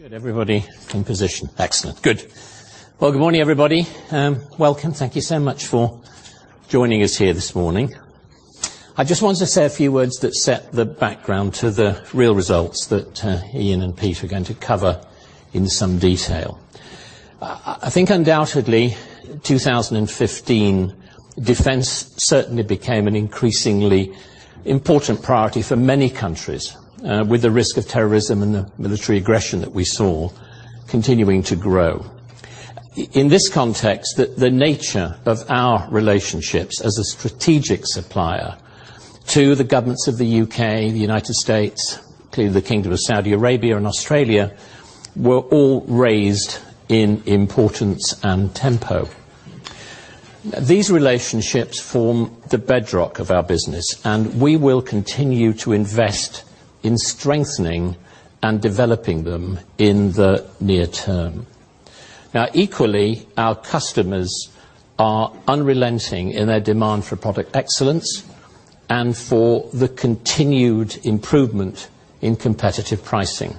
Good. Everybody in position. Excellent. Good. Well, good morning, everybody. Welcome. Thank you so much for joining us here this morning. I just wanted to say a few words that set the background to the real results that Ian and Peter are going to cover in some detail. I think undoubtedly, 2015, defense certainly became an increasingly important priority for many countries, with the risk of terrorism and the military aggression that we saw continuing to grow. In this context, the nature of our relationships as a strategic supplier to the governments of the U.K., the United States, to the Kingdom of Saudi Arabia and Australia, were all raised in importance and tempo. These relationships form the bedrock of our business, and we will continue to invest in strengthening and developing them in the near term. Equally, our customers are unrelenting in their demand for product excellence and for the continued improvement in competitive pricing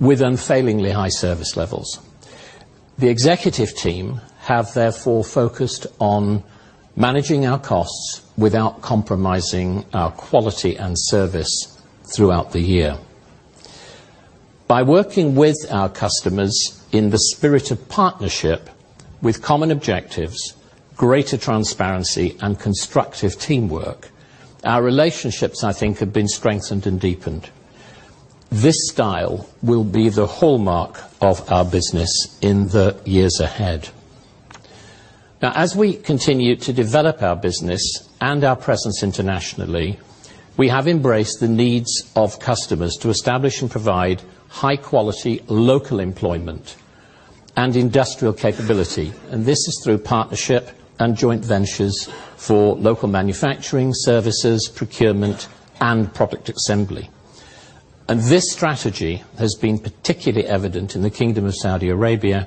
with unfailingly high service levels. The executive team have therefore focused on managing our costs without compromising our quality and service throughout the year. By working with our customers in the spirit of partnership with common objectives, greater transparency and constructive teamwork, our relationships, I think, have been strengthened and deepened. This style will be the hallmark of our business in the years ahead. As we continue to develop our business and our presence internationally, we have embraced the needs of customers to establish and provide high-quality local employment and industrial capability, and this is through partnership and joint ventures for local manufacturing services, procurement and product assembly. This strategy has been particularly evident in the Kingdom of Saudi Arabia,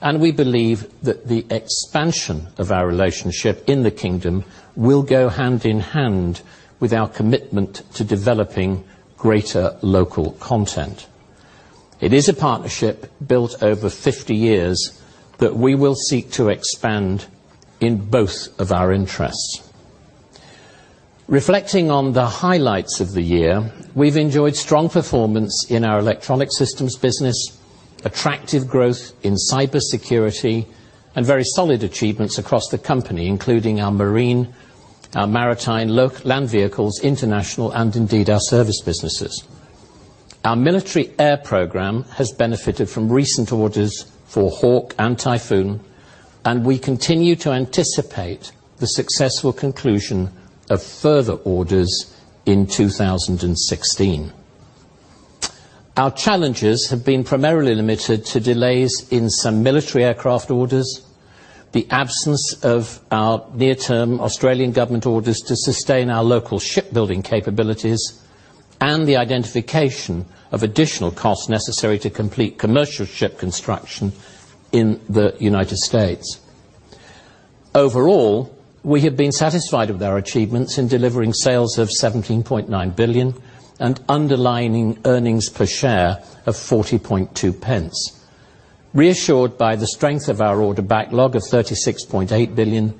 and we believe that the expansion of our relationship in the kingdom will go hand in hand with our commitment to developing greater local content. It is a partnership built over 50 years that we will seek to expand in both of our interests. Reflecting on the highlights of the year, we've enjoyed strong performance in our electronic systems business, attractive growth in cybersecurity and very solid achievements across the company, including our marine, our maritime land vehicles, international, and indeed, our service businesses. Our military air program has benefited from recent orders for Hawk and Typhoon, and we continue to anticipate the successful conclusion of further orders in 2016. Our challenges have been primarily limited to delays in some military aircraft orders, the absence of our near-term Australian government orders to sustain our local shipbuilding capabilities, and the identification of additional costs necessary to complete commercial ship construction in the United States. Overall, we have been satisfied with our achievements in delivering sales of 17.9 billion and underlining earnings per share of 0.402, reassured by the strength of our order backlog of 36.8 billion,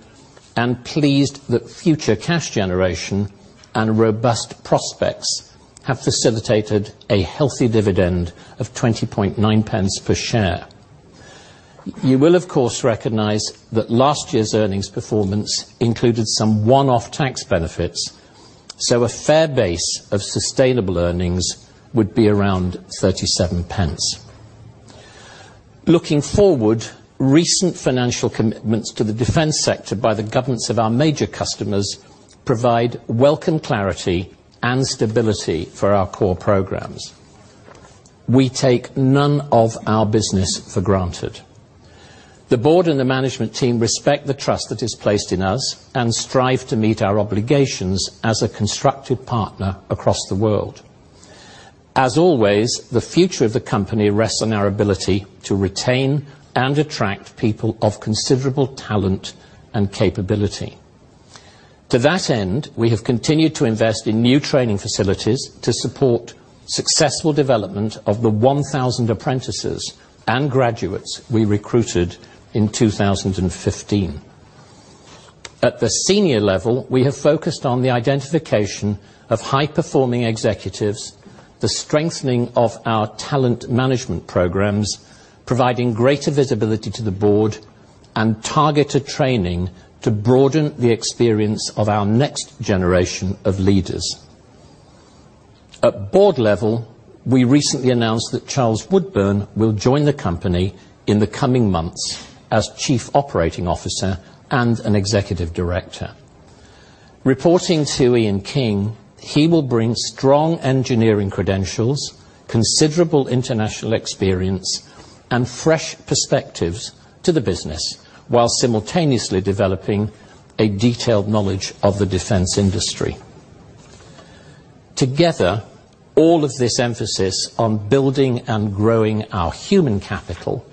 and pleased that future cash generation and robust prospects have facilitated a healthy dividend of 0.209 per share. You will, of course, recognize that last year's earnings performance included some one-off tax benefits, so a fair base of sustainable earnings would be around 0.37. Looking forward, recent financial commitments to the defense sector by the governments of our major customers provide welcome clarity and stability for our core programs. We take none of our business for granted. The board and the management team respect the trust that is placed in us and strive to meet our obligations as a constructive partner across the world. As always, the future of the company rests on our ability to retain and attract people of considerable talent and capability. To that end, we have continued to invest in new training facilities to support successful development of the 1,000 apprentices and graduates we recruited in 2015. At the senior level, we have focused on the identification of high-performing executives, the strengthening of our talent management programs, providing greater visibility to the board, and targeted training to broaden the experience of our next generation of leaders. At board level, we recently announced that Charles Woodburn will join the company in the coming months as Chief Operating Officer and an Executive Director. Reporting to Ian King, he will bring strong engineering credentials, considerable international experience, and fresh perspectives to the business, while simultaneously developing a detailed knowledge of the defense industry. Together, all of this emphasis on building and growing our human capital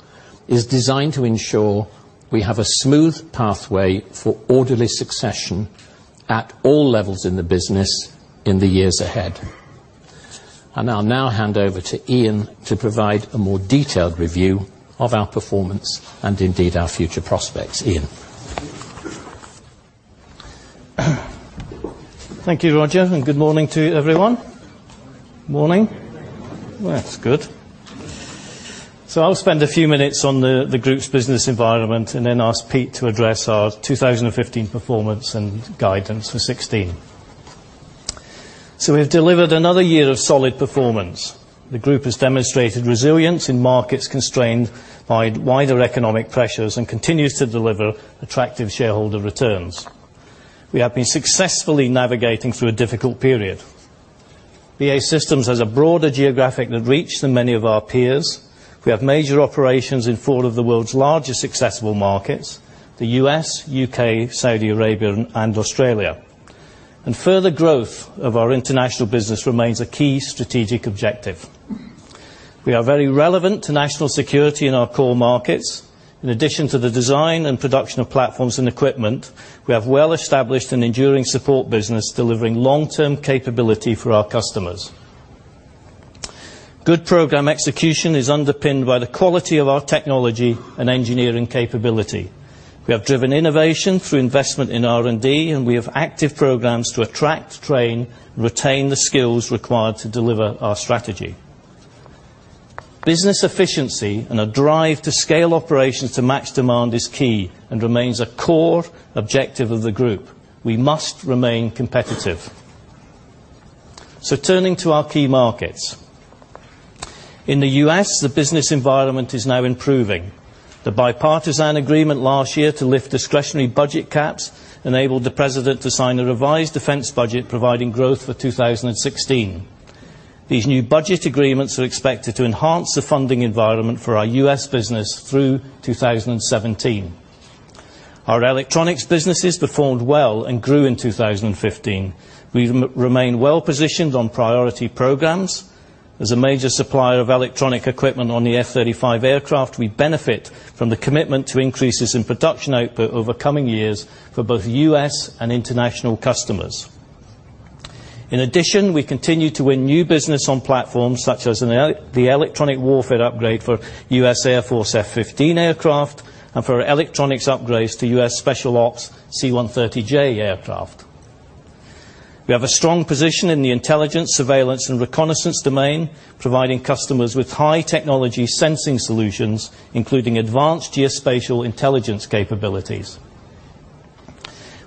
is designed to ensure we have a smooth pathway for orderly succession at all levels in the business in the years ahead. I'll now hand over to Ian to provide a more detailed review of our performance and indeed our future prospects. Ian? Thank you, Roger, good morning to everyone. Morning. Morning. Well, that's good. I'll spend a few minutes on the group's business environment and then ask Pete to address our 2015 performance and guidance for 2016. We've delivered another year of solid performance. The group has demonstrated resilience in markets constrained by wider economic pressures and continues to deliver attractive shareholder returns. We have been successfully navigating through a difficult period. BAE Systems has a broader geographic reach than many of our peers. We have major operations in four of the world's largest accessible markets, the U.S., U.K., Saudi Arabia, and Australia. Further growth of our international business remains a key strategic objective. We are very relevant to national security in our core markets. In addition to the design and production of platforms and equipment, we have well established an enduring support business delivering long-term capability for our customers. Good program execution is underpinned by the quality of our technology and engineering capability. We have driven innovation through investment in R&D, and we have active programs to attract, train, retain the skills required to deliver our strategy. Business efficiency and a drive to scale operations to match demand is key and remains a core objective of the group. We must remain competitive. Turning to our key markets. In the U.S., the business environment is now improving. The bipartisan agreement last year to lift discretionary budget caps enabled the president to sign a revised defense budget providing growth for 2016. These new budget agreements are expected to enhance the funding environment for our U.S. business through 2017. Our electronics businesses performed well and grew in 2015. We remain well-positioned on priority programs. As a major supplier of electronic equipment on the F-35 aircraft, we benefit from the commitment to increases in production output over coming years for both U.S. and international customers. In addition, we continue to win new business on platforms such as the electronic warfare upgrade for U.S. Air Force F-15 aircraft and for electronics upgrades to U.S. Special Ops C-130J aircraft. We have a strong position in the intelligence, surveillance, and reconnaissance domain, providing customers with high-technology sensing solutions, including advanced geospatial intelligence capabilities.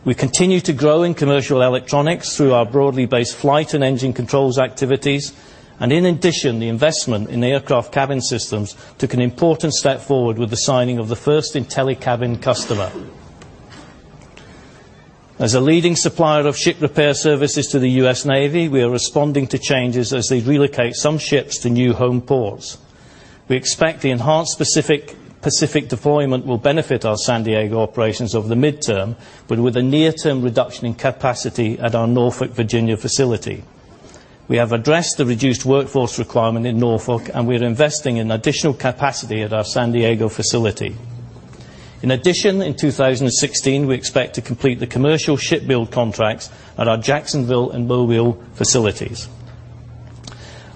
We continue to grow in commercial electronics through our broadly based flight and engine controls activities, and in addition, the investment in aircraft cabin systems took an important step forward with the signing of the first IntelliCabin customer. As a leading supplier of ship repair services to the U.S. Navy, we are responding to changes as they relocate some ships to new home ports. We expect the enhanced Pacific deployment will benefit our San Diego operations over the midterm, but with a near-term reduction in capacity at our Norfolk, Virginia facility. We have addressed the reduced workforce requirement in Norfolk, and we are investing in additional capacity at our San Diego facility. In addition, in 2016, we expect to complete the commercial ship build contracts at our Jacksonville and Mobile facilities.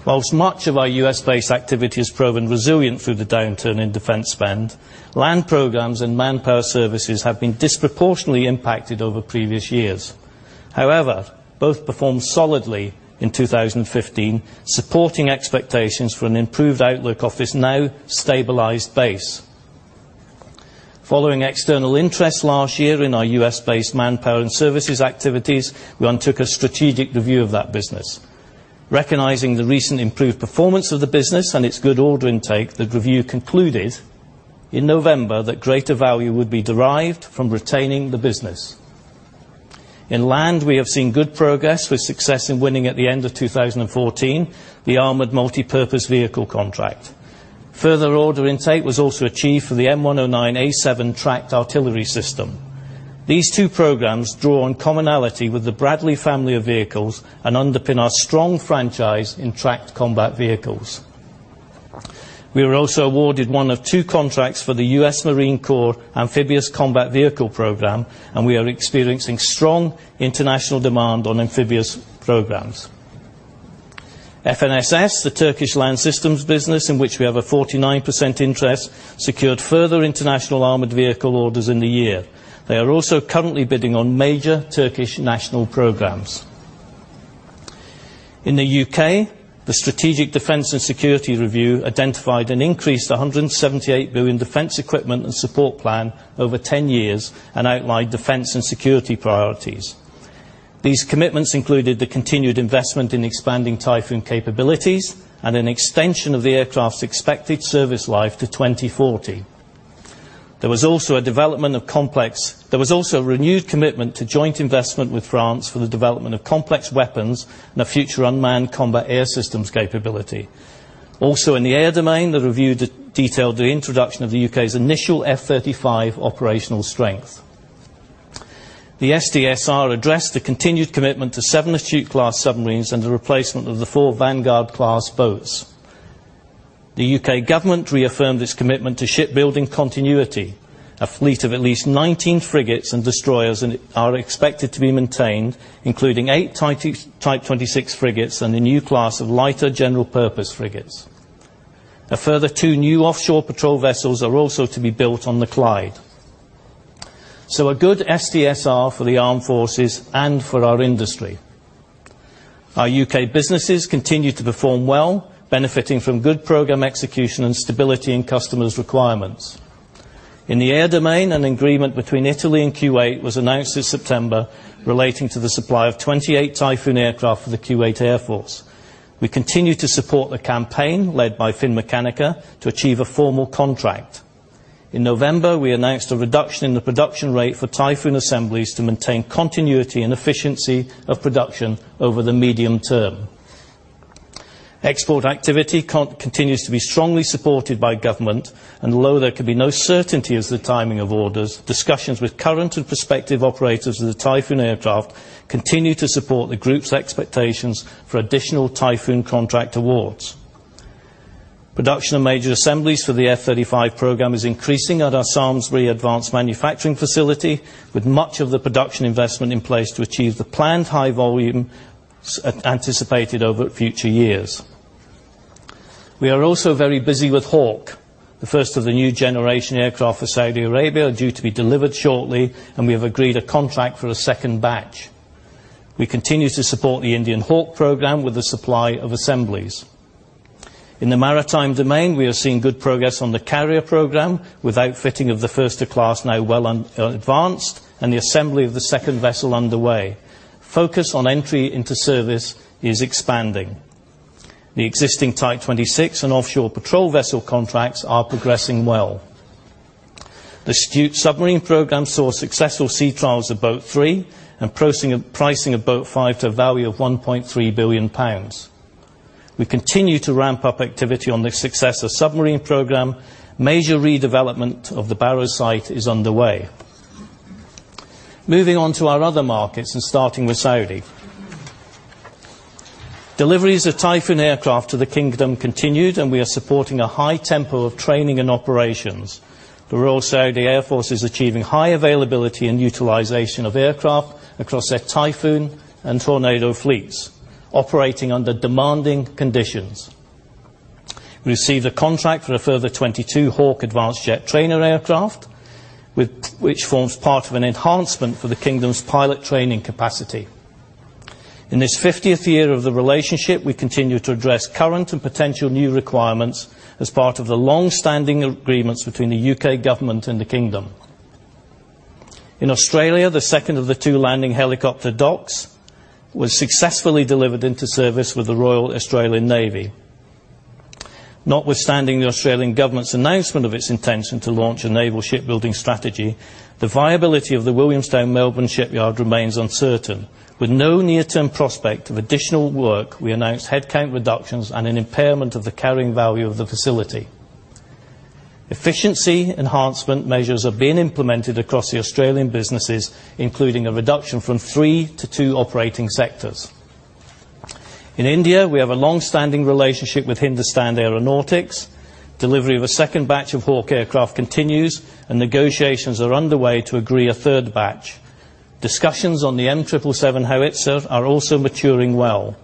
Whilst much of our U.S.-based activity has proven resilient through the downturn in defense spend, land programs and manpower services have been disproportionately impacted over previous years. However, both performed solidly in 2015, supporting expectations for an improved outlook of this now-stabilized base. Following external interest last year in our U.S.-based manpower and services activities, we undertook a strategic review of that business. Recognizing the recent improved performance of the business and its good order intake, that review concluded in November that greater value would be derived from retaining the business. In land, we have seen good progress with success in winning at the end of 2014, the Armored Multi-Purpose Vehicle contract. Further order intake was also achieved for the M109A7 tracked artillery system. These two programs draw on commonality with the Bradley family of vehicles and underpin our strong franchise in tracked combat vehicles. We were also awarded one of two contracts for the U.S. Marine Corps Amphibious Combat Vehicle program, and we are experiencing strong international demand on amphibious programs. FNSS, the Turkish land systems business in which we have a 49% interest, secured further international armored vehicle orders in the year. They are also currently bidding on major Turkish national programs. In the U.K., the strategic defense and security review identified an increased 178 billion defense equipment and support plan over 10 years and outlined defense and security priorities. These commitments included the continued investment in expanding Typhoon capabilities and an extension of the aircraft's expected service life to 2040. There was also a renewed commitment to joint investment with France for the development of complex weapons and a future unmanned combat air systems capability. Also, in the air domain, the review detailed the introduction of the U.K.'s initial F-35 operational strength. The SDSR addressed the continued commitment to 7 Astute-class submarines and the replacement of the 4 Vanguard-class boats. The U.K. government reaffirmed its commitment to shipbuilding continuity. A fleet of at least 19 frigates and destroyers are expected to be maintained, including 8 Type 26 frigates and a new class of lighter general purpose frigates. A further two new offshore patrol vessels are also to be built on the Clyde. A good SDSR for the armed forces and for our industry. Our U.K. businesses continue to perform well, benefiting from good program execution and stability in customers' requirements. In the air domain, an agreement between Italy and Kuwait was announced this September relating to the supply of 28 Typhoon aircraft for the Kuwait Air Force. We continue to support the campaign led by Finmeccanica to achieve a formal contract. In November, we announced a reduction in the production rate for Typhoon assemblies to maintain continuity and efficiency of production over the medium term. Export activity continues to be strongly supported by government, and although there can be no certainty as to the timing of orders, discussions with current and prospective operators of the Typhoon aircraft continue to support the group's expectations for additional Typhoon contract awards. Production of major assemblies for the F-35 program is increasing at our Samlesbury advanced manufacturing facility, with much of the production investment in place to achieve the planned high volumes anticipated over future years. We are also very busy with Hawk. The first of the new generation aircraft for Saudi Arabia are due to be delivered shortly, and we have agreed a contract for a second batch. We continue to support the Indian Hawk program with the supply of assemblies. In the maritime domain, we are seeing good progress on the carrier program, with outfitting of the first of class now well advanced and the assembly of the second vessel underway. Focus on entry into service is expanding. The existing Type 26 and offshore patrol vessel contracts are progressing well. The Astute submarine program saw successful sea trials of Boat 3 and pricing of Boat 5 to a value of 1.3 billion pounds. We continue to ramp up activity on the Successor submarine program. Major redevelopment of the Barrow site is underway. Moving on to our other markets and starting with Saudi. Deliveries of Typhoon aircraft to the kingdom continued, and we are supporting a high tempo of training and operations. The Royal Saudi Air Force is achieving high availability and utilization of aircraft across their Typhoon and Tornado fleets, operating under demanding conditions. We received a contract for a further 22 Hawk advanced jet trainer aircraft, which forms part of an enhancement for the kingdom's pilot training capacity. In this 50th year of the relationship, we continue to address current and potential new requirements as part of the long-standing agreements between the U.K. government and the kingdom. In Australia, the second of the two Landing Helicopter Docks was successfully delivered into service with the Royal Australian Navy. Notwithstanding the Australian government's announcement of its intention to launch a naval shipbuilding strategy, the viability of the Williamstown Melbourne shipyard remains uncertain. With no near-term prospect of additional work, we announced headcount reductions and an impairment of the carrying value of the facility. Efficiency enhancement measures are being implemented across the Australian businesses, including a reduction from three to two operating sectors. In India, we have a long-standing relationship with Hindustan Aeronautics. Delivery of a second batch of Hawk aircraft continues, negotiations are underway to agree a third batch. Discussions on the M777 howitzer are also maturing well.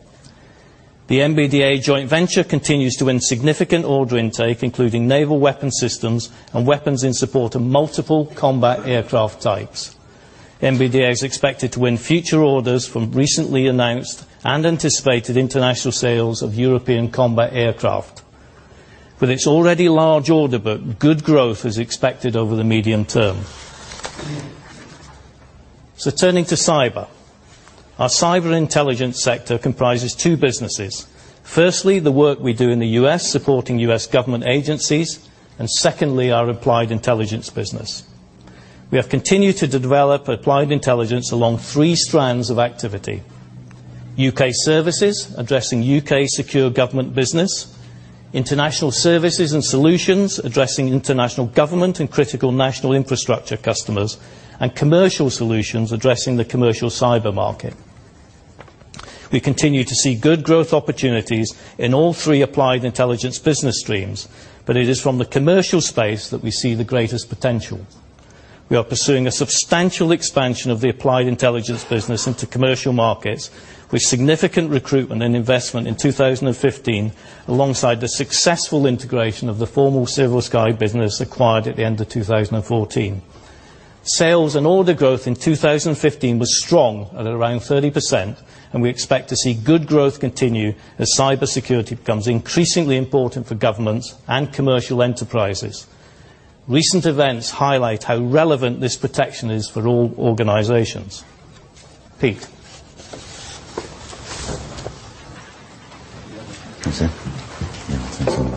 The MBDA joint venture continues to win significant order intake, including naval weapon systems and weapons in support of multiple combat aircraft types. MBDA is expected to win future orders from recently announced and anticipated international sales of European combat aircraft. With its already large order book, good growth is expected over the medium term. Turning to cyber. Our cyber intelligence sector comprises two businesses. Firstly, the work we do in the U.S. supporting U.S. government agencies, and secondly, our Applied Intelligence business. We have continued to develop Applied Intelligence along three strands of activity. U.K. services, addressing U.K. secure government business. International services and solutions, addressing international government and critical national infrastructure customers. Commercial solutions, addressing the commercial cyber market. We continue to see good growth opportunities in all three Applied Intelligence business streams, but it is from the commercial space that we see the greatest potential. We are pursuing a substantial expansion of the Applied Intelligence business into commercial markets, with significant recruitment and investment in 2015, alongside the successful integration of the former SilverSky business acquired at the end of 2014. Sales and order growth in 2015 was strong at around 30%, and we expect to see good growth continue as cybersecurity becomes increasingly important for governments and commercial enterprises. Recent events highlight how relevant this protection is for all organizations. Pete? That's it? Yeah. Thanks a lot.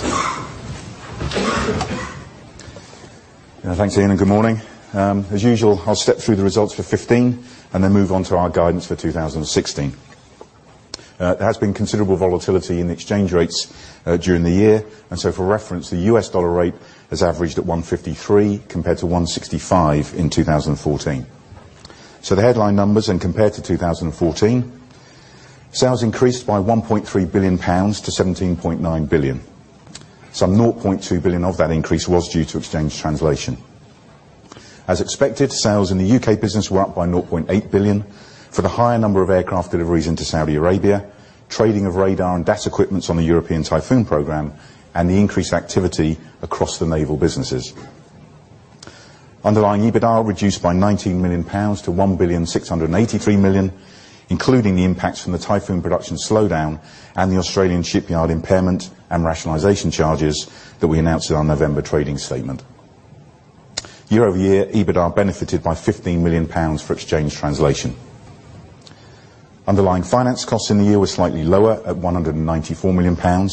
There you go. Cheers. Thanks, Ian, and good morning. As usual, I'll step through the results for 2015 and move on to our guidance for 2016. There has been considerable volatility in exchange rates during the year. For reference, the US dollar rate has averaged at 153 compared to 165 in 2014. The headline numbers compared to 2014, sales increased by 1.3 billion pounds to 17.9 billion. Some 0.2 billion of that increase was due to exchange translation. As expected, sales in the U.K. business were up by 0.8 billion, for the higher number of aircraft deliveries into Saudi Arabia, trading of radar and DAS equipments on the European Typhoon program, and the increased activity across the naval businesses. Underlying EBITDA reduced by 19 million pounds to 1.683 billion, including the impacts from the Typhoon production slowdown and the Australian shipyard impairment and rationalization charges that we announced in our November trading statement. Year-over-year, EBITDA benefited by 15 million pounds for exchange translation. Underlying finance costs in the year were slightly lower at GBP 194 million.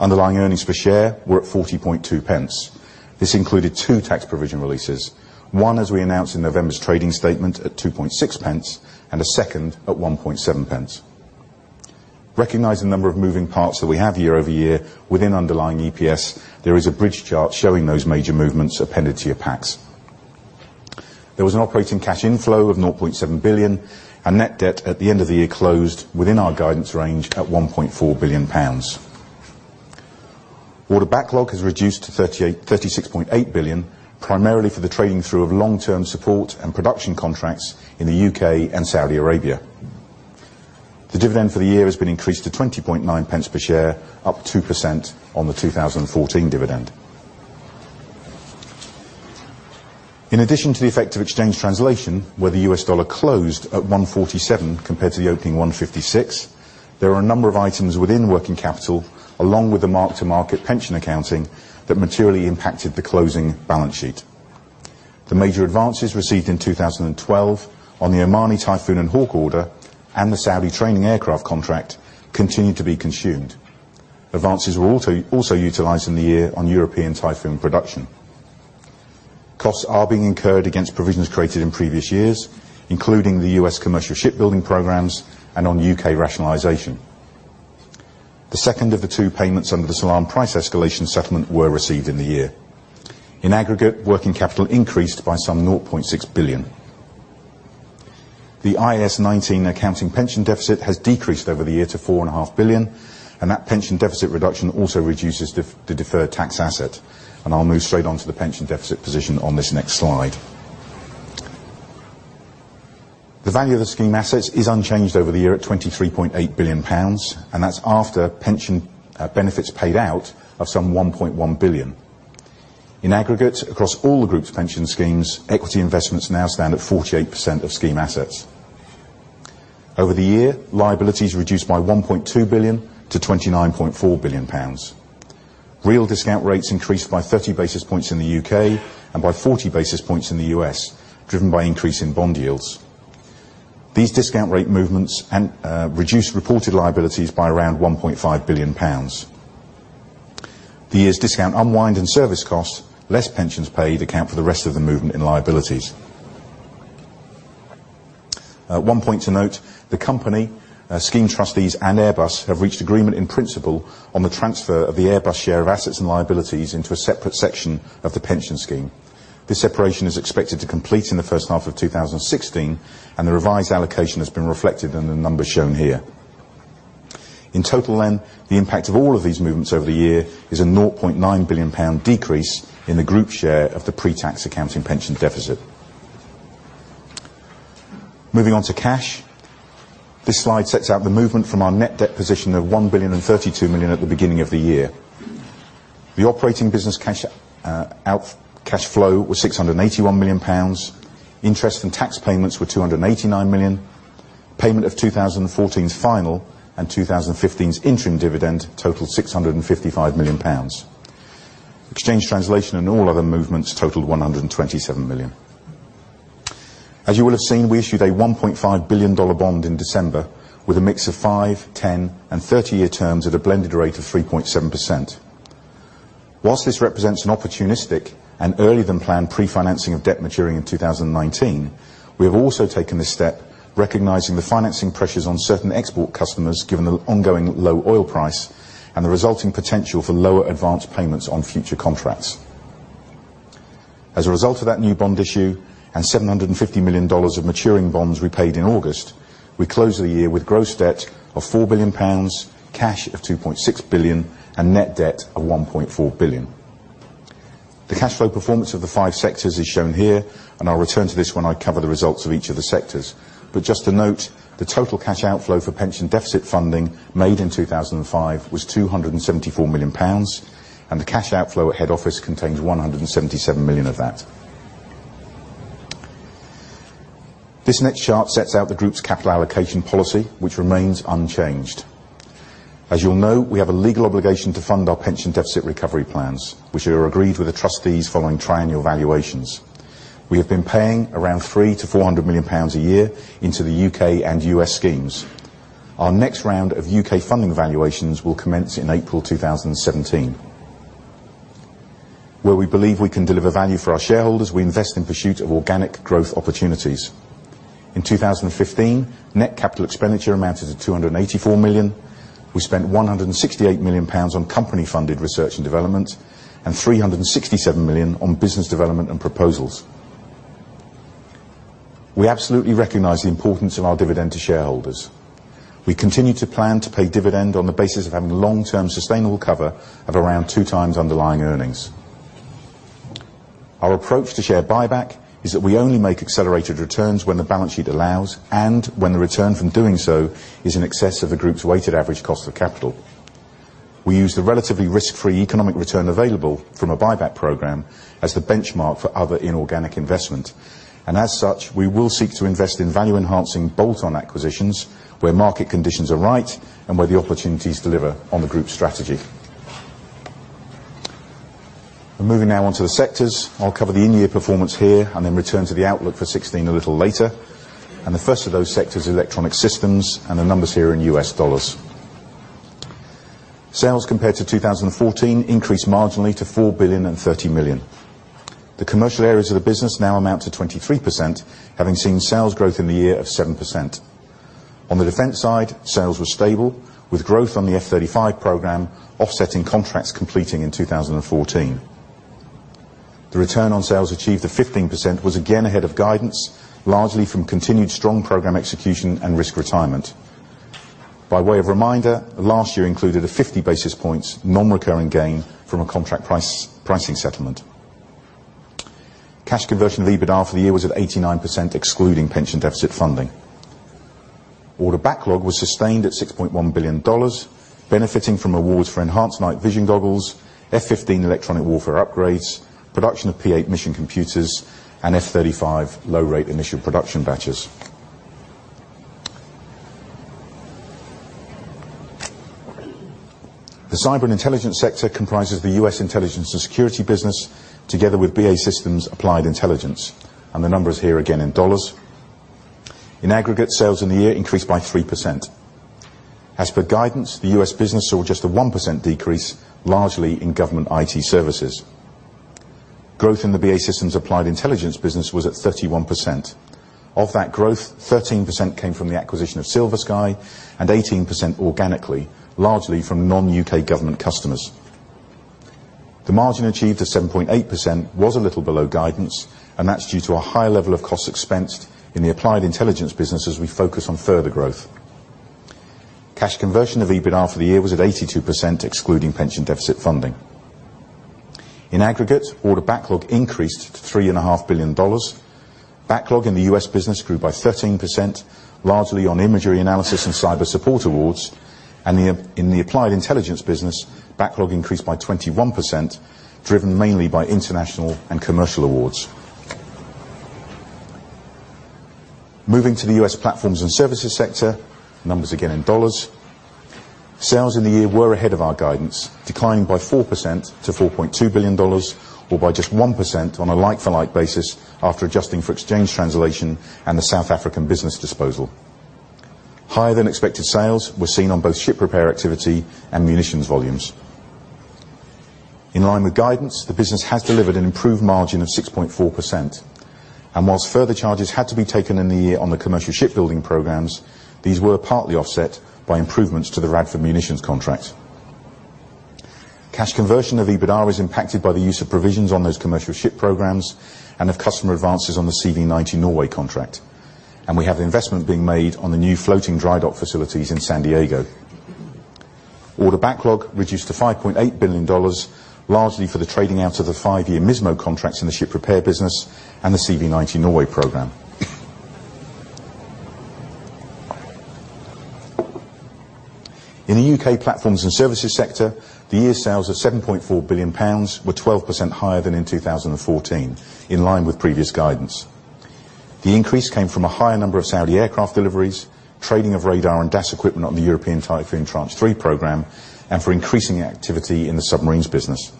Underlying earnings per share were at 0.402. This included two tax provision releases. One, as we announced in November's trading statement at 0.026, and a second at 0.017. Recognizing the number of moving parts that we have year-over-year within underlying EPS, there is a bridge chart showing those major movements appended to your packs. There was an operating cash inflow of 0.7 billion, and net debt at the end of the year closed within our guidance range at 1.4 billion pounds. Order backlog has reduced to 36.8 billion, primarily for the trading through of long-term support and production contracts in the U.K. and Saudi Arabia. The dividend for the year has been increased to 0.209 per share, up 2% on the 2014 dividend. In addition to the effect of exchange translation, where the US dollar closed at 147 compared to the opening 156, there are a number of items within working capital, along with the mark-to-market pension accounting, that materially impacted the closing balance sheet. The major advances received in 2012 on the Omani Typhoon and Hawk order and the Saudi training aircraft contract continued to be consumed. Advances were also utilized in the year on European Typhoon production. Costs are being incurred against provisions created in previous years, including the U.S. commercial shipbuilding programs and on U.K. rationalization. The second of the two payments under the Salam price escalation settlement were received in the year. In aggregate, working capital increased by some 0.6 billion. The IAS 19 accounting pension deficit has decreased over the year to 4.5 billion, and that pension deficit reduction also reduces the deferred tax asset. I'll move straight on to the pension deficit position on this next slide. The value of the scheme assets is unchanged over the year at 23.8 billion pounds, and that's after pension benefits paid out of some 1.1 billion. In aggregate, across all the group's pension schemes, equity investments now stand at 48% of scheme assets. Over the year, liabilities reduced by 1.2 billion to 29.4 billion pounds. Real discount rates increased by 30 basis points in the U.K. and by 40 basis points in the U.S., driven by increasing bond yields. These discount rate movements reduced reported liabilities by around 1.5 billion pounds. The year's discount unwind and service costs, less pensions paid, account for the rest of the movement in liabilities. One point to note, the company scheme trustees and Airbus have reached agreement in principle on the transfer of the Airbus share of assets and liabilities into a separate section of the pension scheme. This separation is expected to complete in the first half of 2016, and the revised allocation has been reflected in the numbers shown here. In total, the impact of all of these movements over the year is a 0.9 billion pound decrease in the group share of the pre-tax accounting pension deficit. Moving on to cash. This slide sets out the movement from our net debt position of 1,032 million at the beginning of the year. The operating business cash flow was 681 million pounds. Interest and tax payments were 289 million. Payment of 2014's final and 2015's interim dividend totaled 655 million pounds. Exchange translation and all other movements totaled 127 million. As you will have seen, we issued a $1.5 billion bond in December with a mix of five, 10, and 30-year terms at a blended rate of 3.7%. Whilst this represents an opportunistic and early than planned pre-financing of debt maturing in 2019, we have also taken this step recognizing the financing pressures on certain export customers, given the ongoing low oil price and the resulting potential for lower advanced payments on future contracts. As a result of that new bond issue and $750 million of maturing bonds repaid in August, we closed the year with gross debt of 4 billion pounds, cash of 2.6 billion, and net debt of 1.4 billion. The cash flow performance of the five sectors is shown here. I'll return to this when I cover the results of each of the sectors. Just to note, the total cash outflow for pension deficit funding made in 2015 was 274 million pounds, and the cash outflow at head office contains 177 million of that. This next chart sets out the group's capital allocation policy, which remains unchanged. As you'll know, we have a legal obligation to fund our pension deficit recovery plans, which are agreed with the trustees following triennial valuations. We have been paying around three to 400 million pounds a year into the U.K. and U.S. schemes. Our next round of U.K. funding valuations will commence in April 2017. Where we believe we can deliver value for our shareholders, we invest in pursuit of organic growth opportunities. In 2015, net capital expenditure amounted to 284 million. We spent £168 million on company-funded research and development, and 367 million on business development and proposals. We absolutely recognize the importance of our dividend to shareholders. We continue to plan to pay dividend on the basis of having long-term sustainable cover of around two times underlying earnings. Our approach to share buyback is that we only make accelerated returns when the balance sheet allows, and when the return from doing so is in excess of the group's weighted average cost of capital. We use the relatively risk-free economic return available from a buyback program as the benchmark for other inorganic investment. As such, we will seek to invest in value-enhancing bolt-on acquisitions where market conditions are right, and where the opportunities deliver on the group strategy. Moving now on to the sectors. I'll cover the in-year performance here and then return to the outlook for 2016 a little later. The first of those sectors, electronic systems, and the numbers here in US dollars. Sales compared to 2014 increased marginally to $4.03 billion. The commercial areas of the business now amount to 23%, having seen sales growth in the year of 7%. On the defense side, sales were stable, with growth on the F-35 program offsetting contracts completing in 2014. The return on sales achieved of 15% was again ahead of guidance, largely from continued strong program execution and risk retirement. By way of reminder, last year included a 50 basis points non-recurring gain from a contract pricing settlement. Cash conversion of EBITDA for the year was at 89%, excluding pension deficit funding. Order backlog was sustained at $6.1 billion, benefiting from awards for Enhanced Night Vision Goggles, F-15 electronic warfare upgrades, production of P-8 mission computers, and F-35 low-rate initial production batches. The Cyber and Intelligence Sector comprises the U.S. intelligence and security business, together with BAE Systems Applied Intelligence. The numbers here again in dollars. In aggregate, sales in the year increased by 3%. As per guidance, the U.S. business saw just a 1% decrease, largely in government IT services. Growth in the BAE Systems Applied Intelligence business was at 31%. Of that growth, 13% came from the acquisition of SilverSky and 18% organically, largely from non-U.K. government customers. The margin achieved of 7.8% was a little below guidance, and that's due to a high level of cost expensed in the Applied Intelligence business as we focus on further growth. Cash conversion of EBITDA for the year was at 82%, excluding pension deficit funding. In aggregate, order backlog increased to $3.5 billion. Backlog in the U.S. business grew by 13%, largely on imagery analysis and cyber support awards, and in the Applied Intelligence business, backlog increased by 21%, driven mainly by international and commercial awards. Moving to the U.S. Platforms and Services Sector, numbers again in dollars. Sales in the year were ahead of our guidance, declining by 4% to $4.2 billion, or by just 1% on a like-for-like basis after adjusting for exchange translation and the South African business disposal. Higher than expected sales were seen on both ship repair activity and munitions volumes. In line with guidance, the business has delivered an improved margin of 6.4%. Whilst further charges had to be taken in the year on the commercial shipbuilding programs, these were partly offset by improvements to the Radford munitions contract. Cash conversion of EBITDA was impacted by the use of provisions on those commercial ship programs and of customer advances on the CV90 Norway contract. We have investment being made on the new floating dry dock facilities in San Diego. Order backlog reduced to $5.8 billion, largely for the trading out of the five-year MSMO contracts in the ship repair business and the CV90 Norway program. In the U.K. platforms and services sector, the year's sales of 7.4 billion pounds were 12% higher than in 2014, in line with previous guidance. The increase came from a higher number of Saudi aircraft deliveries, trading of radar and DAS equipment on the European Typhoon Tranche 3 program, and for increasing activity in the submarines business.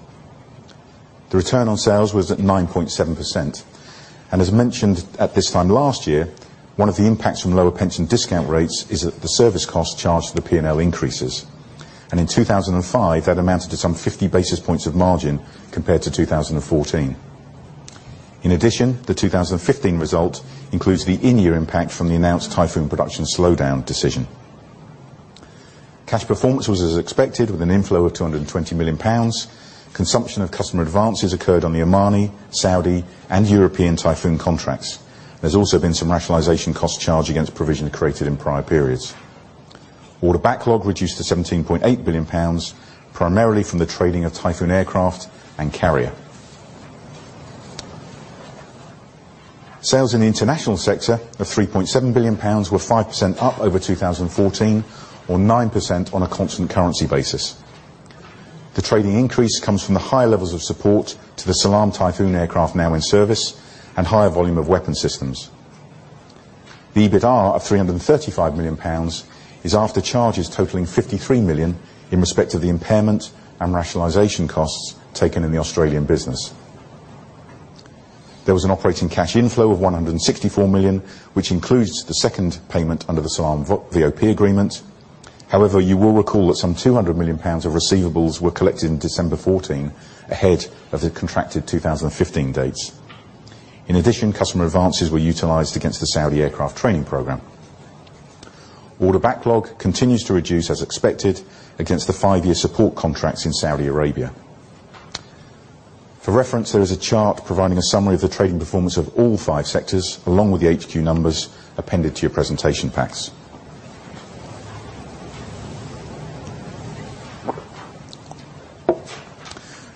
The return on sales was at 9.7%. As mentioned at this time last year, one of the impacts from lower pension discount rates is that the service cost charged to the P&L increases. In 2015, that amounted to some 50 basis points of margin compared to 2014. In addition, the 2015 result includes the in-year impact from the announced Typhoon production slowdown decision. Cash performance was as expected, with an inflow of 220 million pounds. Consumption of customer advances occurred on the Omani, Saudi, and European Typhoon contracts. There's also been some rationalization cost charged against provision created in prior periods. Order backlog reduced to 17.8 billion pounds, primarily from the trading of Typhoon aircraft and carrier. Sales in the international sector of 3.7 billion pounds were 5% up over 2014, or 9% on a constant currency basis. The trading increase comes from the high levels of support to the Salam Typhoon aircraft now in service and higher volume of weapon systems. The EBITDA of 335 million pounds is after charges totaling 53 million in respect of the impairment and rationalization costs taken in the Australian business. There was an operating cash inflow of 164 million, which includes the second payment under the Salam VOP agreement. However, you will recall that some 200 million pounds of receivables were collected in December 2014, ahead of the contracted 2015 dates. In addition, customer advances were utilized against the Saudi Aircraft Training Program. Order backlog continues to reduce as expected against the five-year support contracts in Saudi Arabia. For reference, there is a chart providing a summary of the trading performance of all five sectors along with the HQ numbers appended to your presentation packs.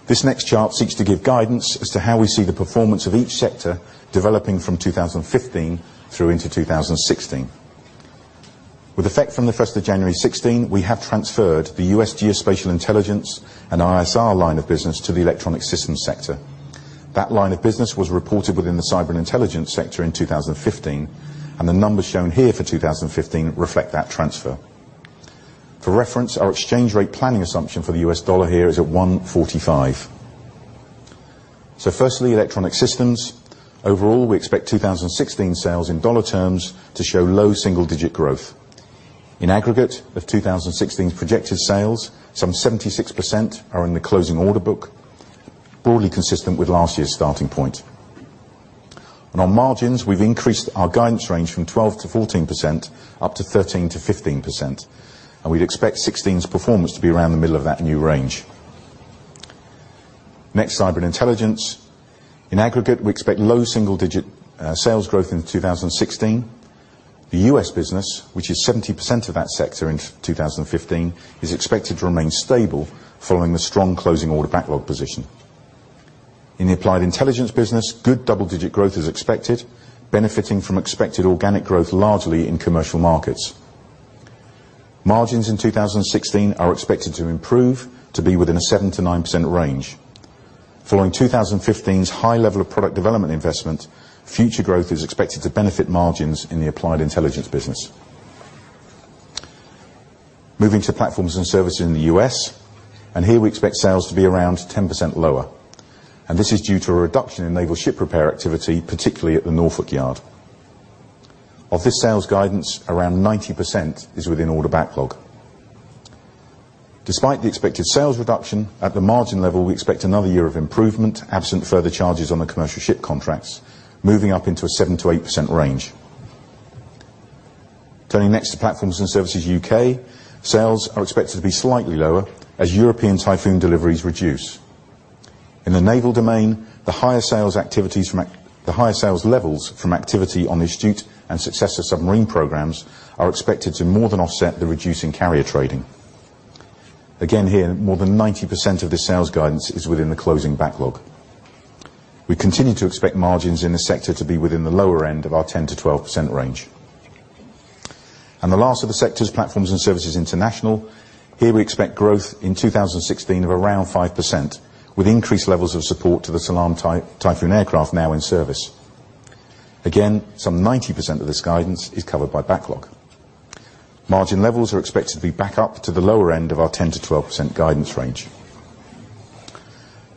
This next chart seeks to give guidance as to how we see the performance of each sector developing from 2015 through into 2016. With effect from the 1st of January 2016, we have transferred the U.S. Geospatial Intelligence and ISR line of business to the Electronic Systems sector. That line of business was reported within the Cyber and Intelligence sector in 2015. The numbers shown here for 2015 reflect that transfer. For reference, our exchange rate planning assumption for the U.S. dollar here is at 145. Firstly, Electronic Systems. Overall, we expect 2016 sales in dollar terms to show low single-digit growth. In aggregate of 2016's projected sales, some 76% are in the closing order book, broadly consistent with last year's starting point. On margins, we've increased our guidance range from 12%-14% up to 13%-15%, and we'd expect 2016's performance to be around the middle of that new range. Next, cyber and intelligence. In aggregate, we expect low single-digit sales growth in 2016. The U.S. business, which is 70% of that sector in 2015, is expected to remain stable following the strong closing order backlog position. In the Applied Intelligence business, good double-digit growth is expected, benefiting from expected organic growth largely in commercial markets. Margins in 2016 are expected to improve to be within a 7%-9% range. Following 2015's high level of product development investment, future growth is expected to benefit margins in the Applied Intelligence business. Moving to platforms and services in the U.S., here we expect sales to be around 10% lower. This is due to a reduction in naval ship repair activity, particularly at the Norfolk Yard. Of this sales guidance, around 90% is within order backlog. Despite the expected sales reduction, at the margin level, we expect another year of improvement, absent further charges on the commercial ship contracts, moving up into a 7%-8% range. Turning next to platforms and services U.K., sales are expected to be slightly lower as European Typhoon deliveries reduce. In the naval domain, the higher sales levels from activity on the Astute and Successor submarine programs are expected to more than offset the reducing carrier trading. Again, here, more than 90% of the sales guidance is within the closing backlog. We continue to expect margins in the sector to be within the lower end of our 10%-12% range. The last of the sectors, platforms and services international, here we expect growth in 2016 of around 5% with increased levels of support to the Salam Typhoon aircraft now in service. Again, some 90% of this guidance is covered by backlog. Margin levels are expected to be back up to the lower end of our 10%-12% guidance range.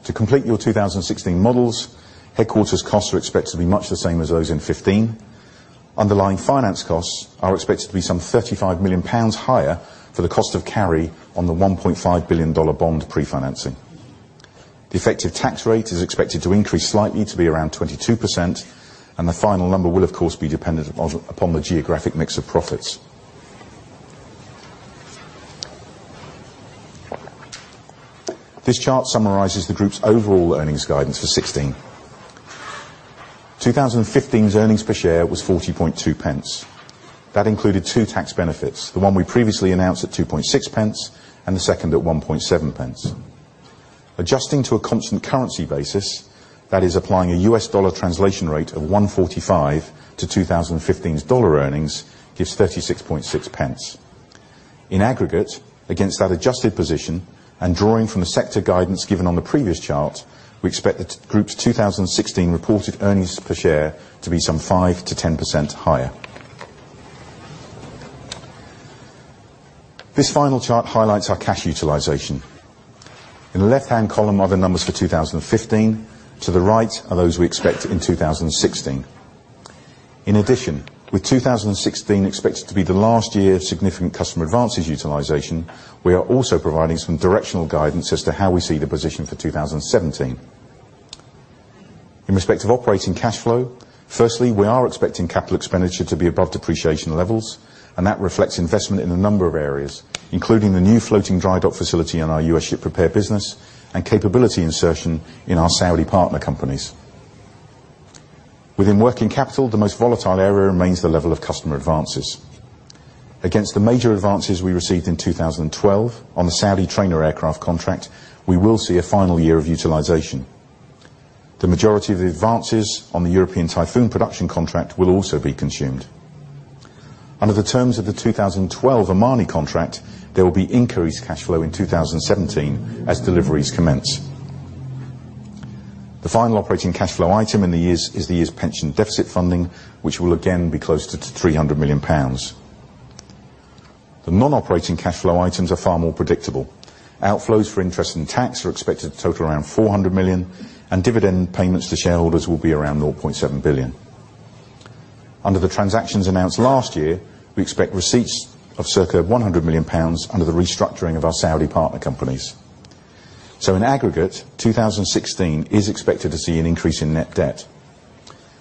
To complete your 2016 models, headquarters costs are expected to be much the same as those in 2015. Underlying finance costs are expected to be some 35 million pounds higher for the cost of carry on the $1.5 billion bond pre-financing. The effective tax rate is expected to increase slightly to be around 22%, and the final number will, of course, be dependent upon the geographic mix of profits. This chart summarizes the group's overall earnings guidance for 2016. 2015's earnings per share was 40.2 pence. That included two tax benefits, the one we previously announced at 2.6 pence and the second at 1.7 pence. Adjusting to a constant currency basis, that is applying a U.S. dollar translation rate of 145 to 2015's dollar earnings gives 36.6 pence. In aggregate, against that adjusted position and drawing from the sector guidance given on the previous chart, we expect the group's 2016 reported earnings per share to be some 5%-10% higher. This final chart highlights our cash utilization. In the left-hand column are the numbers for 2015, to the right are those we expect in 2016. In addition, with 2016 expected to be the last year of significant customer advances utilization, we are also providing some directional guidance as to how we see the position for 2017. In respect of operating cash flow, first, we are expecting capital expenditure to be above depreciation levels, and that reflects investment in a number of areas, including the new floating dry dock facility in our U.S. ship repair business and capability insertion in our Saudi partner companies. Within working capital, the most volatile area remains the level of customer advances. Against the major advances we received in 2012 on the Saudi trainer aircraft contract, we will see a final year of utilization. The majority of the advances on the European Typhoon production contract will also be consumed. Under the terms of the 2012 Omani contract, there will be increased cash flow in 2017 as deliveries commence. The final operating cash flow item in the year is the year's pension deficit funding, which will again be close to 300 million pounds. The non-operating cash flow items are far more predictable. Outflows for interest and tax are expected to total around 400 million, Dividend payments to shareholders will be around 0.7 billion. Under the transactions announced last year, we expect receipts of circa 100 million pounds under the restructuring of our Saudi partner companies. In aggregate, 2016 is expected to see an increase in net debt.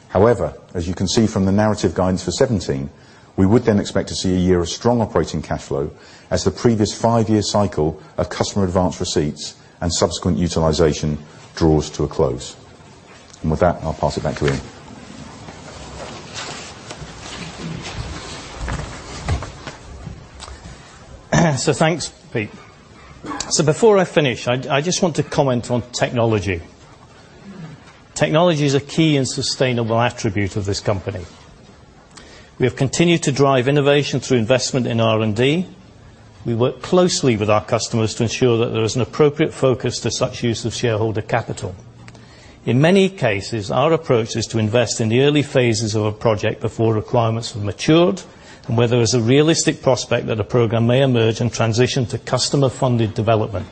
However, as you can see from the narrative guidance for 2017, we would then expect to see a year of strong operating cash flow as the previous five-year cycle of customer advance receipts and subsequent utilization draws to a close. With that, I'll pass it back to Ian. Thanks, Pete. Before I finish, I just want to comment on technology. Technology is a key and sustainable attribute of this company. We have continued to drive innovation through investment in R&D. We work closely with our customers to ensure that there is an appropriate focus to such use of shareholder capital. In many cases, our approach is to invest in the early phases of a project before requirements have matured, and where there is a realistic prospect that a program may emerge and transition to customer-funded development.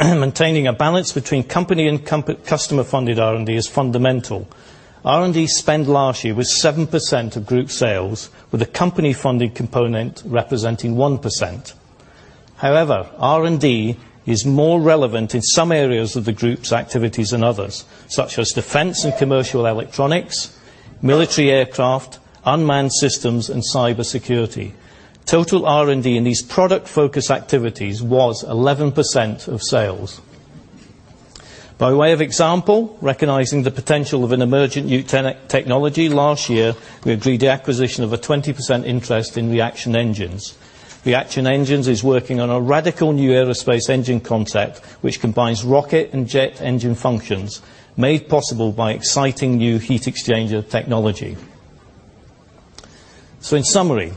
Maintaining a balance between company and customer-funded R&D is fundamental. R&D spend last year was 7% of group sales, with a company-funded component representing 1%. However, R&D is more relevant in some areas of the group's activities than others, such as defense and commercial electronics, military aircraft, unmanned systems, and cybersecurity. Total R&D in these product-focused activities was 11% of sales. By way of example, recognizing the potential of an emergent new technology last year, we agreed the acquisition of a 20% interest in Reaction Engines. Reaction Engines is working on a radical new aerospace engine concept, which combines rocket and jet engine functions, made possible by exciting new heat exchanger technology. In summary,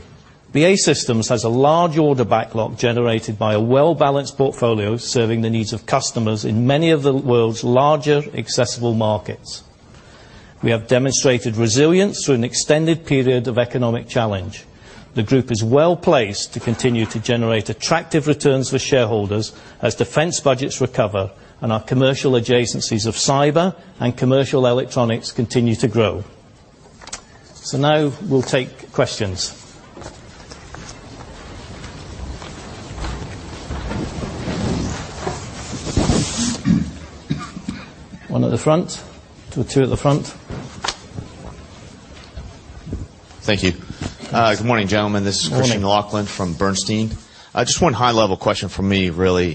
BAE Systems has a large order backlog generated by a well-balanced portfolio serving the needs of customers in many of the world's larger accessible markets. We have demonstrated resilience through an extended period of economic challenge. The group is well-placed to continue to generate attractive returns for shareholders as defense budgets recover and our commercial adjacencies of cyber and commercial electronics continue to grow. Now we'll take questions. One at the front. Two at the front. Thank you. Good morning, gentlemen. Good morning. This is Christian Laughlin from Bernstein. Just one high-level question from me, really.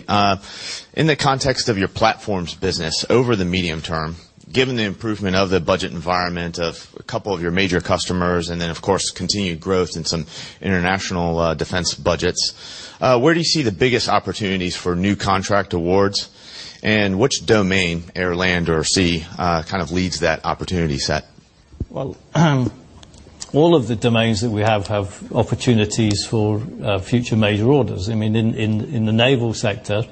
In the context of your platforms business over the medium term, given the improvement of the budget environment of a couple of your major customers, then, of course, continued growth in some international defense budgets, where do you see the biggest opportunities for new contract awards? Which domain, air, land, or sea, leads that opportunity set? Well, all of the domains that we have have opportunities for future major orders. In the naval sector,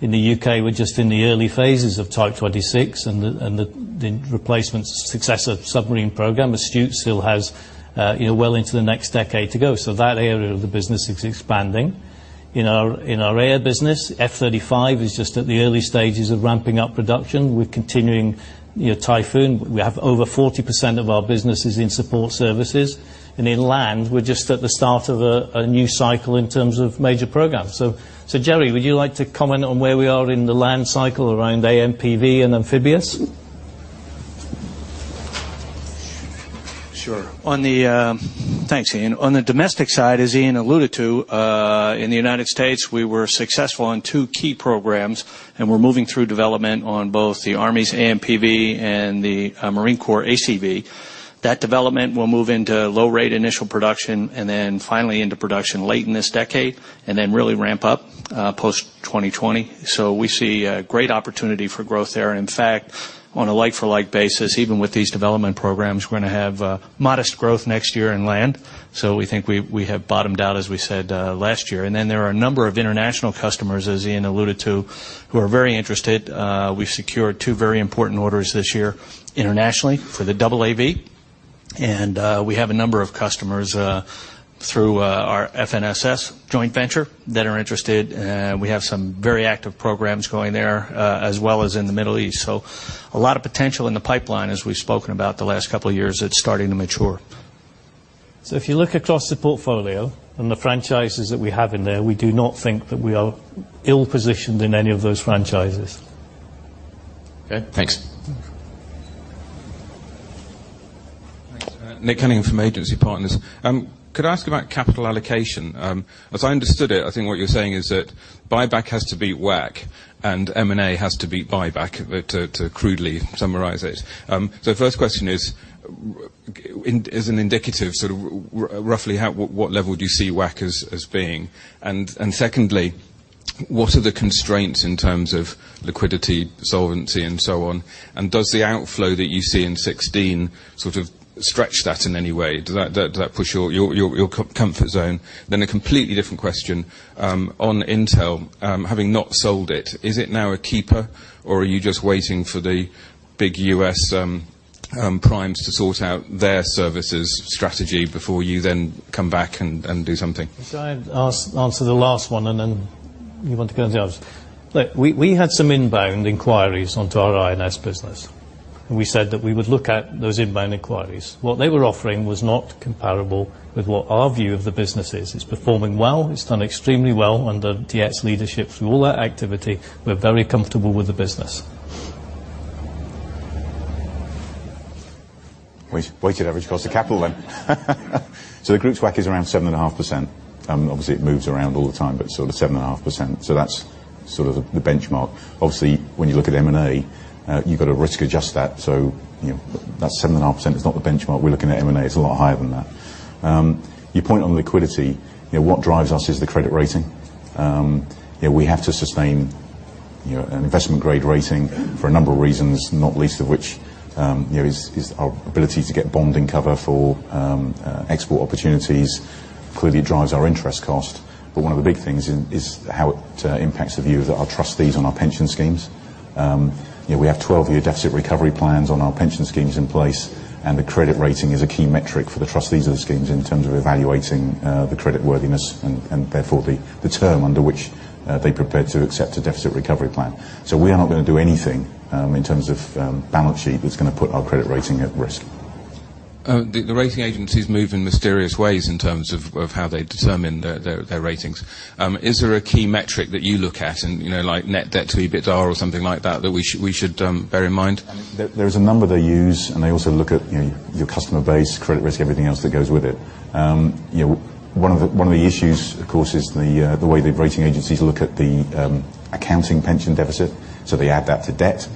in the U.K., we're just in the early phases of Type 26 and the replacement Successor submarine program. Astute still has well into the next decade to go. That area of the business is expanding. In our air business, F-35 is just at the early stages of ramping up production. We're continuing Typhoon. We have over 40% of our businesses in support services. In land, we're just at the start of a new cycle in terms of major programs. Jerry, would you like to comment on where we are in the land cycle around AMPV and amphibious? Sure. Thanks, Ian. On the domestic side, as Ian alluded to, in the U.S., we were successful on two key programs, and we're moving through development on both the Army's AMPV and the Marine Corps ACV. That development will move into low-rate initial production and then finally into production late in this decade, and then really ramp up post-2020. We see a great opportunity for growth there. In fact, on a like-for-like basis, even with these development programs, we're going to have modest growth next year in land. We think we have bottomed out, as we said last year. There are a number of international customers, as Ian alluded to, who are very interested. We've secured two very important orders this year internationally for the AAV. We have a number of customers through our FNSS joint venture that are interested. We have some very active programs going there, as well as in the Middle East. A lot of potential in the pipeline, as we've spoken about the last couple of years. It's starting to mature. If you look across the portfolio and the franchises that we have in there, we do not think that we are ill-positioned in any of those franchises. Okay, thanks. Thanks. Nick Cunningham from Agency Partners. Could I ask about capital allocation? As I understood it, I think what you're saying is that buyback has to beat WACC, and M&A has to beat buyback, to crudely summarize it. First question is, as an indicative, roughly what level do you see WACC as being? Secondly, what are the constraints in terms of liquidity, solvency, and so on? Does the outflow that you see in 2016 stretch that in any way? Do that push your comfort zone? A completely different question. On intel, having not sold it, is it now a keeper, or are you just waiting for the big U.S. Primed to sort out their services strategy before you then come back and do something? Should I answer the last one, and then you want to go into the others? Look, we had some inbound inquiries onto our I&S business, and we said that we would look at those inbound inquiries. What they were offering was not comparable with what our view of the business is. It's performing well. It's done extremely well under [inaudible] leadership through all that activity. We're very comfortable with the business. Weighted average cost of capital. The group's WACC is around 7.5%. Obviously, it moves around all the time, but sort of 7.5%. That's sort of the benchmark. Obviously, when you look at M&A, you've got to risk adjust that, so that 7.5% is not the benchmark. We're looking at M&A, it's a lot higher than that. Your point on liquidity, what drives us is the credit rating. We have to sustain an investment-grade rating for a number of reasons, not least of which is our ability to get bonding cover for export opportunities clearly drives our interest cost. One of the big things is how it impacts the view of our trustees on our pension schemes. We have 12-year deficit recovery plans on our pension schemes in place. The credit rating is a key metric for the trustees of the schemes in terms of evaluating the creditworthiness and therefore the term under which they prepare to accept a deficit recovery plan. We are not going to do anything in terms of balance sheet that's going to put our credit rating at risk. The rating agencies move in mysterious ways in terms of how they determine their ratings. Is there a key metric that you look at, like net debt to EBITDA or something like that we should bear in mind? There is a number they use. They also look at your customer base, credit risk, everything else that goes with it. One of the issues, of course, is the way the rating agencies look at the accounting pension deficit. They add that to debt.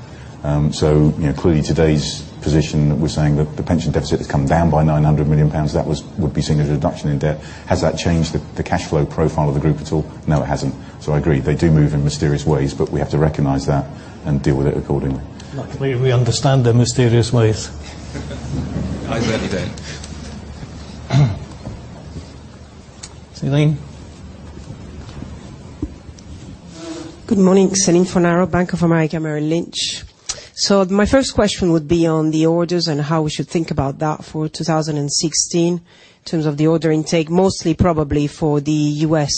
Clearly, today's position, we're saying that the pension deficit has come down by 900 million pounds. That would be seen as a reduction in debt. Has that changed the cash flow profile of the group at all? No, it hasn't. I agree. They do move in mysterious ways. We have to recognize that and deal with it accordingly. Luckily, we understand their mysterious ways. I certainly don't. Céline? Good morning. Céline Fornaro, Bank of America, Merrill Lynch. My first question would be on the orders and how we should think about that for 2016 in terms of the order intake, mostly probably for the U.S.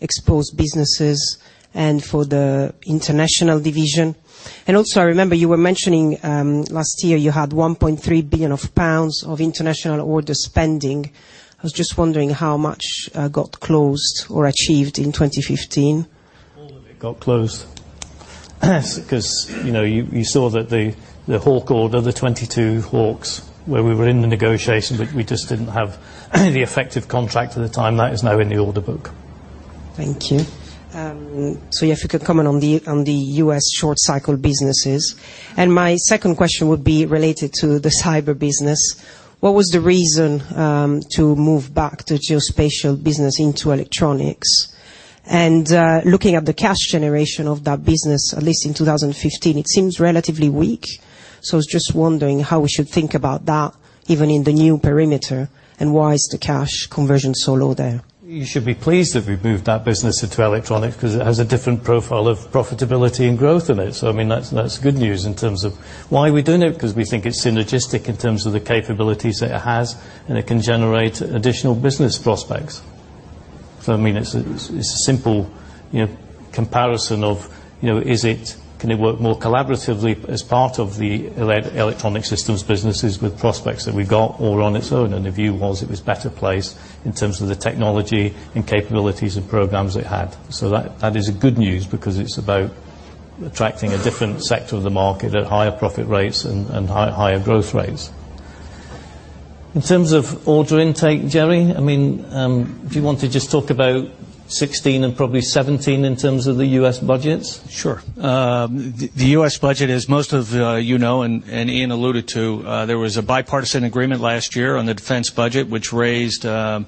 exposed businesses and for the international division. I remember you were mentioning, last year you had 1.3 billion of pounds of international order spending. I was just wondering how much got closed or achieved in 2015. All of it got closed because you saw that the Hawk order, the 22 Hawks, where we were in the negotiation, we just didn't have the effective contract at the time. That is now in the order book. Thank you. If you could comment on the U.S. short cycle businesses. My second question would be related to the cyber business. What was the reason to move back the geospatial business into electronics? Looking at the cash generation of that business, at least in 2015, it seems relatively weak. I was just wondering how we should think about that even in the new perimeter, why is the cash conversion so low there? You should be pleased that we moved that business into electronic because it has a different profile of profitability and growth in it. That's good news in terms of why we're doing it, because we think it's synergistic in terms of the capabilities that it has, and it can generate additional business prospects. It's a simple comparison of can it work more collaboratively as part of the electronic systems businesses with prospects that we got all on its own, and the view was it was better placed in terms of the technology and capabilities of programs it had. That is a good news because it's about attracting a different sector of the market at higher profit rates and higher growth rates. In terms of order intake, Jerry, if you want to just talk about 2016 and probably 2017 in terms of the U.S. budgets. Sure. The U.S. budget, as most of you know, and Ian alluded to, there was a bipartisan agreement last year on the defense budget, which raised the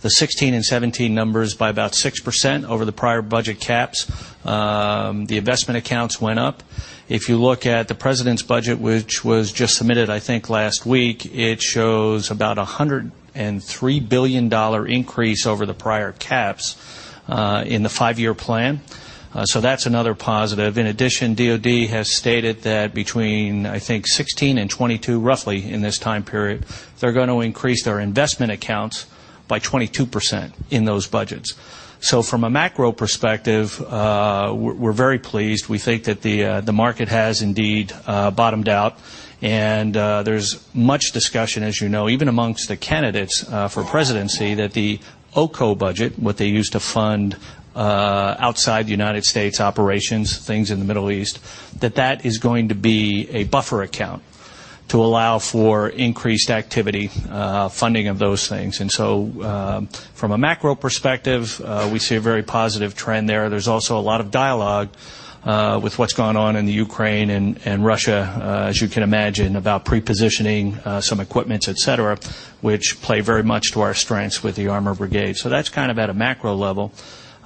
2016 and 2017 numbers by about 6% over the prior budget caps. The investment accounts went up. If you look at the president's budget, which was just submitted, I think last week, it shows about $103 billion increase over the prior caps in the five-year plan. In addition, DoD has stated that between, I think 2016 and 2022, roughly in this time period, they're going to increase their investment accounts by 22% in those budgets. From a macro perspective, we're very pleased. We think that the market has indeed bottomed out, and there's much discussion, as you know, even amongst the candidates for presidency, that the OCO budget, what they use to fund outside U.S. operations, things in the Middle East, that is going to be a buffer account to allow for increased activity funding of those things. From a macro perspective, we see a very positive trend there. There's also a lot of dialogue with what's gone on in the Ukraine and Russia, as you can imagine, about pre-positioning some equipment, et cetera, which play very much to our strengths with the armor brigade. That's at a macro level.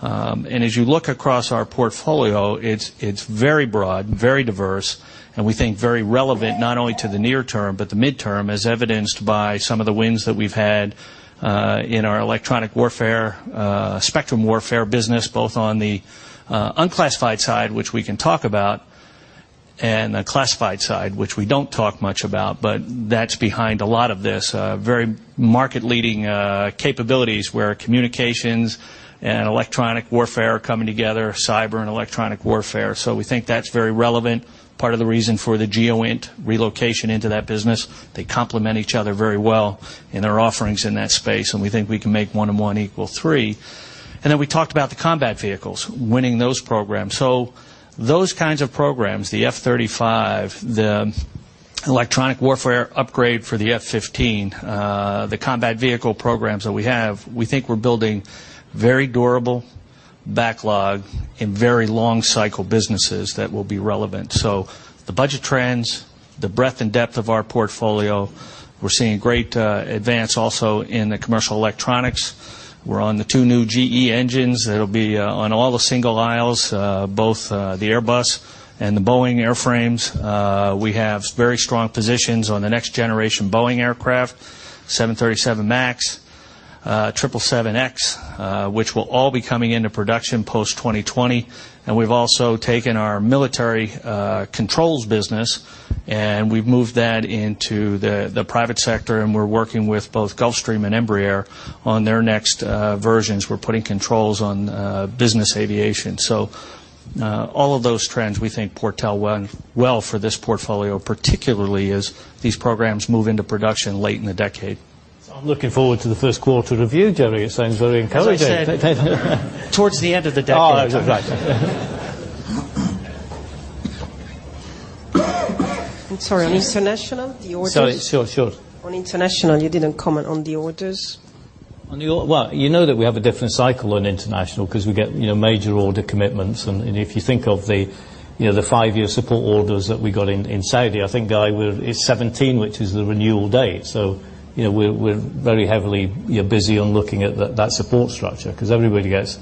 As you look across our portfolio, it's very broad, very diverse, and we think very relevant not only to the near term, but the midterm, as evidenced by some of the wins that we've had in our electronic warfare, spectrum warfare business, both on the unclassified side, which we can talk about and the classified side, which we don't talk much about, but that's behind a lot of this. Very market-leading capabilities where communications and electronic warfare are coming together, cyber and electronic warfare. We think that's very relevant. Part of the reason for the GEOINT relocation into that business. They complement each other very well in their offerings in that space, and we think we can make one and one equal three. We talked about the combat vehicles, winning those programs. Those kinds of programs, the F-35, the electronic warfare upgrade for the F-15, the combat vehicle programs that we have, we think we're building very durable backlog and very long cycle businesses that will be relevant. The budget trends, the breadth and depth of our portfolio, we're seeing great advance also in the commercial electronics. We're on the two new GE engines that'll be on all the single aisles, both the Airbus and the Boeing airframes. We have very strong positions on the next generation Boeing aircraft, 737 MAX, 777X, which will all be coming into production post-2020. We've also taken our military controls business, and we've moved that into the private sector, and we're working with both Gulfstream and Embraer on their next versions. We're putting controls on business aviation. All of those trends we think portend well for this portfolio, particularly as these programs move into production late in the decade. I'm looking forward to the first quarter review, Jerry. It sounds very encouraging. As I said, towards the end of the decade. Oh, that's right. I'm sorry, on international, the orders? Sorry, sure. On international, you didn't comment on the orders. Well, you know that we have a different cycle on international because we get major order commitments. If you think of the five-year support orders that we got in Saudi, I think, Guy, it's 2017, which is the renewal date. We're very heavily busy on looking at that support structure, because everybody gets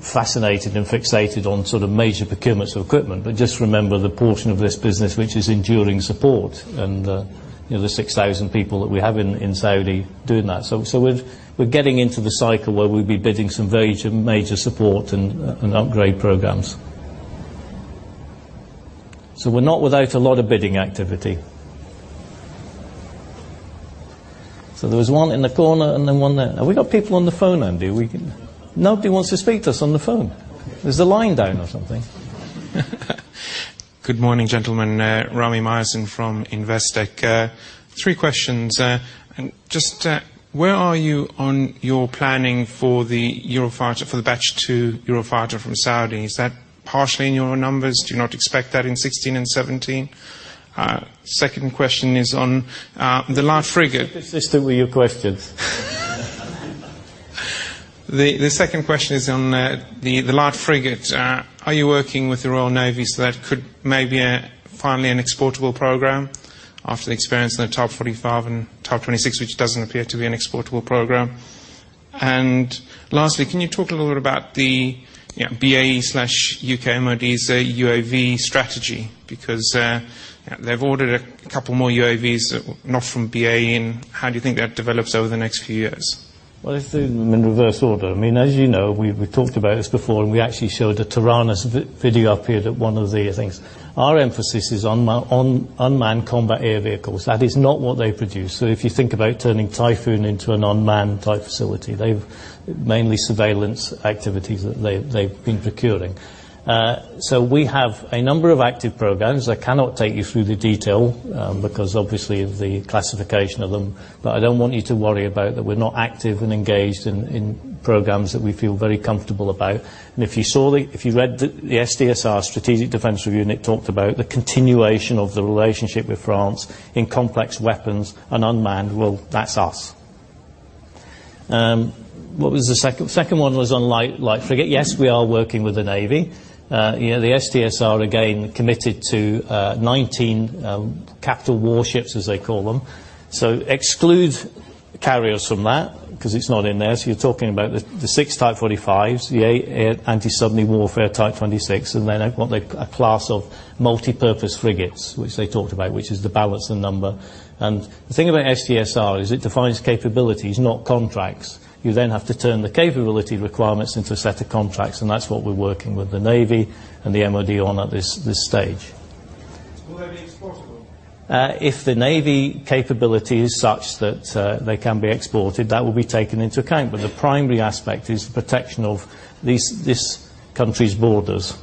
fascinated and fixated on sort of major procurements of equipment. Just remember the portion of this business, which is enduring support and the 6,000 people that we have in Saudi doing that. We're getting into the cycle where we'll be bidding some very major support and upgrade programs. We're not without a lot of bidding activity. There was one in the corner and then one there. Have we got people on the phone, Andy? Nobody wants to speak to us on the phone. Is the line down or something? Good morning, gentlemen. Rami Myerson from Investec. Three questions. Where are you on your planning for the batch 2 Eurofighter from Saudi? Is that partially in your numbers? Do you not expect that in 2016 and 2017? Second question is on the light frigate. Keep it consistent with your questions. The second question is on the light frigate. Are you working with the Royal Navy so that could maybe finally an exportable program after the experience in the Type 45 and Type 26, which doesn't appear to be an exportable program? Lastly, can you talk a little bit about the BAE/U.K. MOD's UAV strategy? They've ordered a couple more UAVs, not from BAE, how do you think that develops over the next few years? Let's do them in reverse order. As you know, we've talked about this before, and we actually showed a Taranis video up here at one of the things. Our emphasis is on unmanned combat air vehicles. That is not what they produce. If you think about turning Typhoon into an unmanned-type facility, they've mainly surveillance activities that they've been procuring. We have a number of active programs. I cannot take you through the detail because obviously of the classification of them. I don't want you to worry about that we're not active and engaged in programs that we feel very comfortable about. If you read the SDSR, Strategic Defence Review, and it talked about the continuation of the relationship with France in complex weapons and unmanned, well, that's us. What was the second? Second one was on light frigate. Yes, we are working with the Navy. The SDSR again committed to 19 capital warships, as they call them. Exclude carriers from that because it's not in there. You're talking about the 6 Type 45s, the 8 anti-submarine warfare Type 26, and then a class of multipurpose frigates, which they talked about, which is the balancing number. The thing about SDSR is it defines capabilities, not contracts. You have to turn the capability requirements into a set of contracts, and that's what we're working with the Navy and the MOD on at this stage. Will they be exportable? If the Navy capability is such that they can be exported, that will be taken into account. The primary aspect is the protection of this country's borders.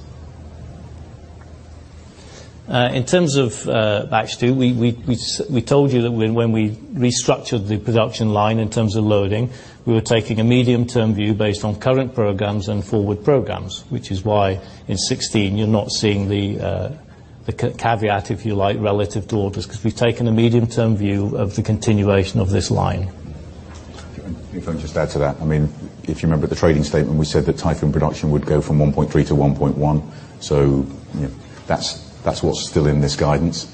In terms of batch 2, we told you that when we restructured the production line in terms of loading, we were taking a medium-term view based on current programs and forward programs, which is why in 2016 you're not seeing the caveat, if you like, relative to orders, because we've taken a medium-term view of the continuation of this line. If I can just add to that, if you remember the trading statement, we said that Typhoon production would go from 1.3 to 1.1. That's what's still in this guidance.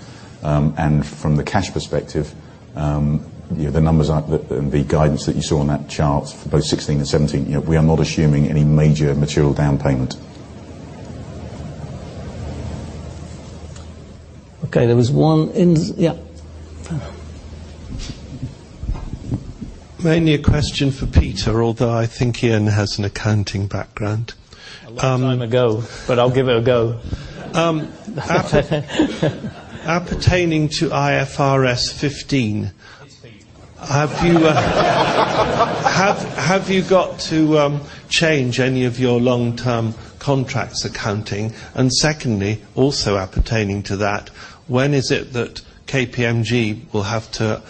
From the cash perspective, the numbers and the guidance that you saw on that chart for both 2016 and 2017, we are not assuming any major material down payment. Okay, there was one. Yeah. Mainly a question for Peter, although I think Ian has an accounting background. A long time ago. I'll give it a go. Appertaining to IFRS 15. It's for you. Have you got to change any of your long-term contracts accounting? Secondly, also appertaining to that, when is it that KPMG will have to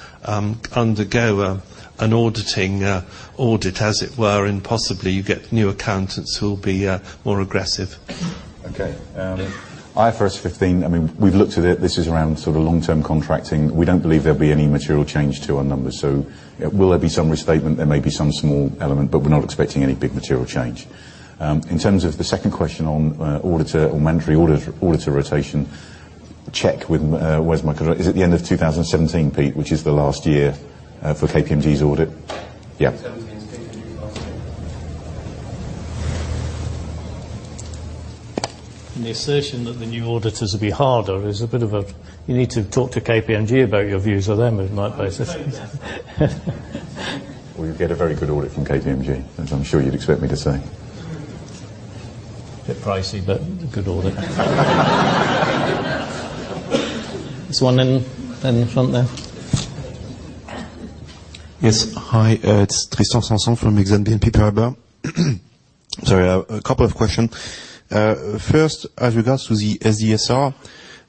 undergo an auditing audit, as it were, and possibly you get new accountants who will be more aggressive? Okay. IFRS 15, we've looked at it. This is around long-term contracting. We don't believe there'll be any material change to our numbers. Will there be some restatement? There may be some small element, but we're not expecting any big material change. In terms of the second question on auditor or mandatory auditor rotation, check with-- where's my contract? Is it the end of 2017, Pete, which is the last year, for KPMG's audit? Yeah. 2017 is KPMG's last year. The assertion that the new auditors will be harder is you need to talk to KPMG about your views of them, is my basis. I know that. We get a very good audit from KPMG, as I'm sure you'd expect me to say. Bit pricey. A good audit. There's one in the front there. Yes. Hi, it's Tristan Sanson from Exane BNP Paribas. Sorry. A couple of questions. First, as regards to the SDSR,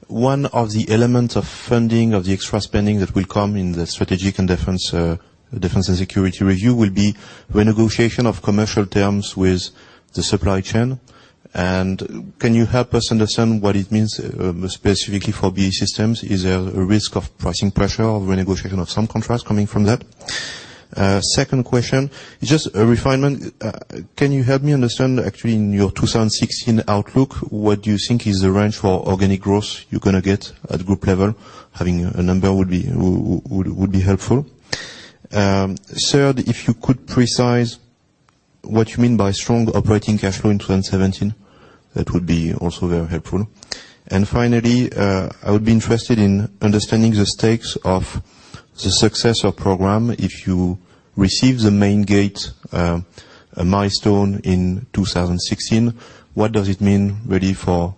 one of the elements of funding of the extra spending that will come in the Strategic Defence and Security Review will be renegotiation of commercial terms with the supply chain. Can you help us understand what it means, specifically for BAE Systems? Is there a risk of pricing pressure or renegotiation of some contracts coming from that? Second question, just a refinement. Can you help me understand, actually, in your 2016 outlook, what you think is the range for organic growth you're going to get at group level? Having a number would be helpful. Third, if you could precise what you mean by strong operating cash flow in 2017, that would be also very helpful. Finally, I would be interested in understanding the stakes of the Successor programme. If you receive the main gate milestone in 2016, what does it mean, really, for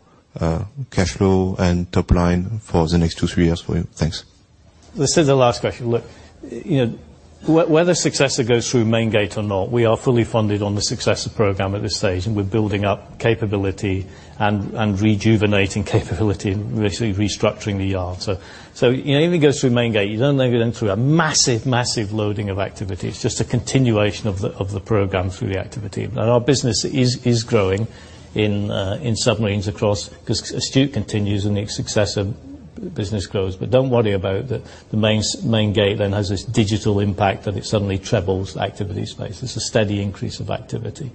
cash flow and top line for the next two, three years for you? Thanks. Let's do the last question. Whether Successor goes through main gate or not, we are fully funded on the Successor programme at this stage. We're building up capability, rejuvenating capability, and restructuring the yard. Even if it goes through main gate, you don't then go through a massive loading of activity. It's just a continuation of the programme through the activity. Our business is growing in submarines across, because Astute continues and the Successor business grows. Don't worry about that the main gate then has this digital impact that it suddenly trebles activity space. It's a steady increase of activity.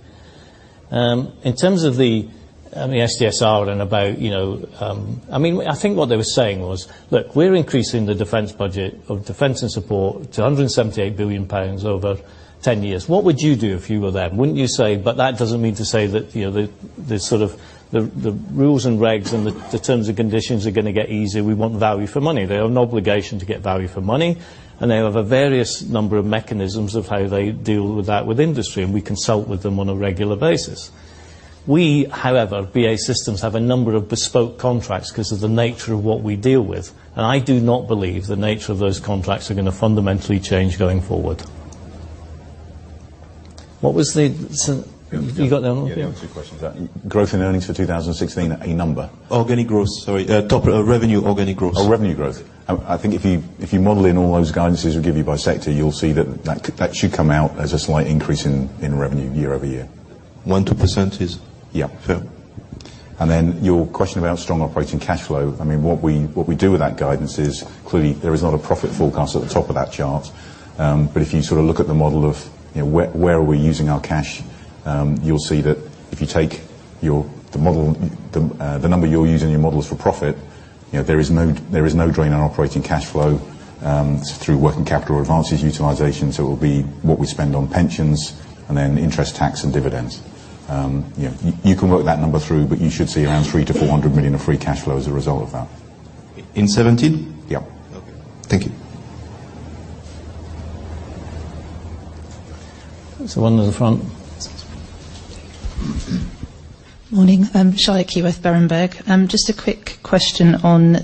In terms of the SDSR and about, I think what they were saying was, we're increasing the defense budget of defense and support to 178 billion pounds over 10 years. What would you do if you were them? Wouldn't you say, "That doesn't mean to say that the rules and regs and the terms and conditions are going to get easier. We want value for money." They have an obligation to get value for money, and they have a various number of mechanisms of how they deal with that with industry, and we consult with them on a regular basis. We, however, BAE Systems, have a number of bespoke contracts because of the nature of what we deal with. I do not believe the nature of those contracts are going to fundamentally change going forward. What was. You got that one? Yeah. Yeah, two questions. Growth in earnings for 2016, a number. Organic growth, sorry. Top revenue, organic growth. Oh, revenue growth. I think if you model in all those guidances we give you by sector, you'll see that that should come out as a slight increase in revenue year-over-year. 1%, 2% is? Yeah. Fair. Your question about strong operating cash flow. What we do with that guidance is, clearly, there is not a profit forecast at the top of that chart. If you look at the model of where are we using our cash, you'll see that if you take the number you'll use in your models for profit, there is no drain on operating cash flow through working capital or advances utilization. It will be what we spend on pensions and then interest, tax, and dividends. You can work that number through, but you should see around 300 million-400 million of free cash flow as a result of that. In 2017? Yeah. Okay. Thank you. There's the one in the front. Morning. I'm Charlotte Keyworth, Berenberg. Just a quick question on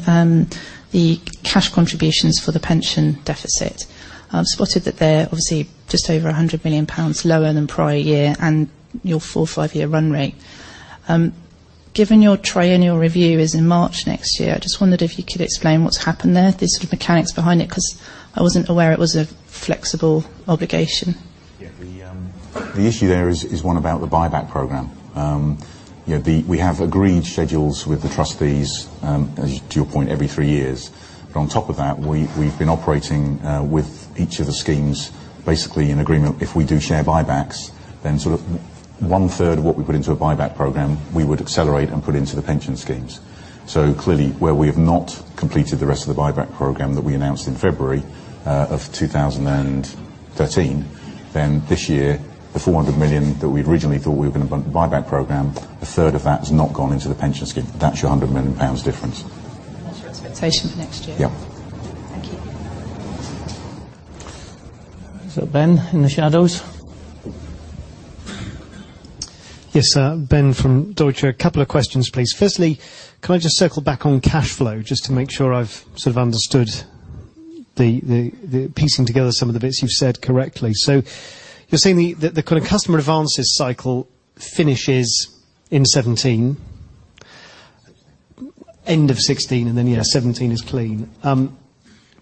the cash contributions for the pension deficit. I've spotted that they're obviously just over 100 million pounds lower than prior year and your four, five-year run rate. Given your triennial review is in March next year, I just wondered if you could explain what's happened there, the sort of mechanics behind it, because I wasn't aware it was a flexible obligation. Yeah. The issue there is one about the buyback program. We have agreed schedules with the trustees, as to your point, every three years. On top of that, we've been operating with each of the schemes, basically in agreement, if we do share buybacks, one-third of what we put into a buyback program, we would accelerate and put into the pension schemes. Clearly, where we have not completed the rest of the buyback program that we announced in February 2013, this year, the 400 million that we'd originally thought we were going to buyback program, a third of that has not gone into the pension scheme. That's your 100 million pounds difference. Your expectation for next year? Yeah. Thank you. Is that Ben in the shadows? Yes, sir. Ben from Deutsche. A couple of questions, please. Firstly, can I just circle back on cash flow just to make sure I've sort of understood the piecing together some of the bits you've said correctly. You're saying the kind of customer advances cycle finishes in 2017, end of 2016, and then, yeah, 2017 is clean.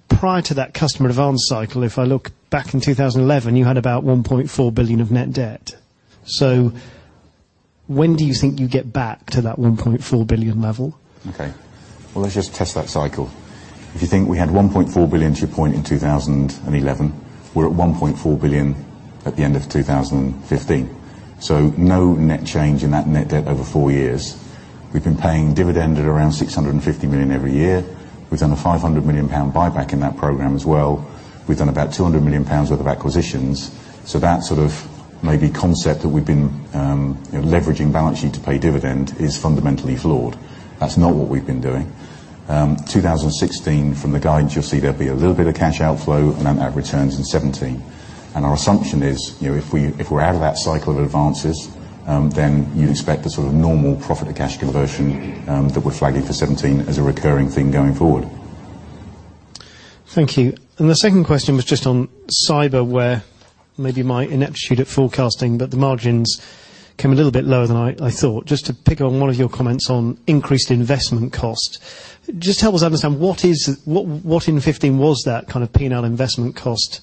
Prior to that customer advance cycle, if I look back in 2011, you had about 1.4 billion of net debt. When do you think you get back to that 1.4 billion level? Okay. Well, let's just test that cycle. If you think we had 1.4 billion, to your point, in 2011, we're at 1.4 billion at the end of 2015. No net change in that net debt over four years. We've been paying dividend at around 650 million every year. We've done a 500 million pound buyback in that program as well. We've done about 200 million pounds worth of acquisitions. That sort of maybe concept that we've been leveraging balance sheet to pay dividend is fundamentally flawed. That's not what we've been doing. 2016, from the guidance, you'll see there'll be a little bit of cash outflow, and then that returns in 2017. Our assumption is, if we're out of that cycle of advances, then you expect the sort of normal profit and cash conversion that we're flagging for 2017 as a recurring thing going forward. Thank you. The second question was just on cyber, where maybe my ineptitude at forecasting, but the margins came a little bit lower than I thought. Just to pick on one of your comments on increased investment cost. Just help us understand, what in 2015 was that kind of P&L investment cost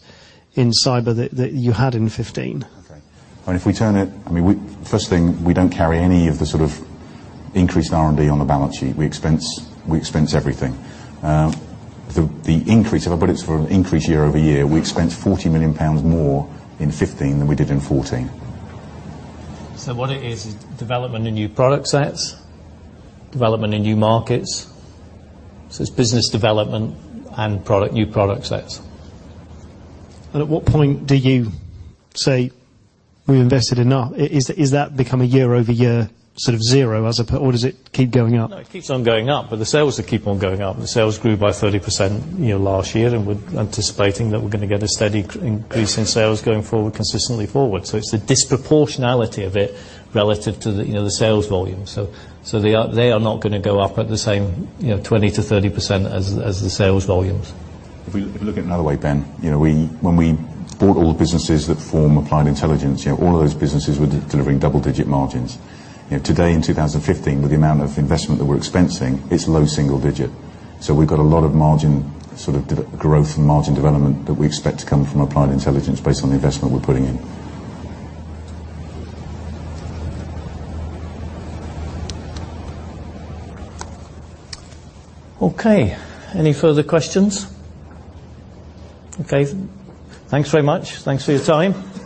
in cyber that you had in 2015? Okay. First thing, we don't carry any of the sort of increased R&D on the balance sheet. We expense everything. The increase, if I put it for an increase year-over-year, we expensed 40 million pounds more in 2015 than we did in 2014. What it is is development in new product sets, development in new markets. It's business development and new product sets. At what point do you say we've invested enough? Is that become a year-over-year sort of zero as opposed or does it keep going up? It keeps on going up, the sales will keep on going up. The sales grew by 30% last year, we're anticipating that we're going to get a steady increase in sales going forward consistently forward. It's the disproportionality of it relative to the sales volume. They are not going to go up at the same 20%-30% as the sales volumes. If we look at it another way, Ben, when we bought all the businesses that form Applied Intelligence, all of those businesses were delivering double-digit margins. Today in 2015, with the amount of investment that we're expensing, it's low single digit. We've got a lot of margin sort of growth and margin development that we expect to come from Applied Intelligence based on the investment we're putting in. Okay. Any further questions? Okay. Thanks very much. Thanks for your time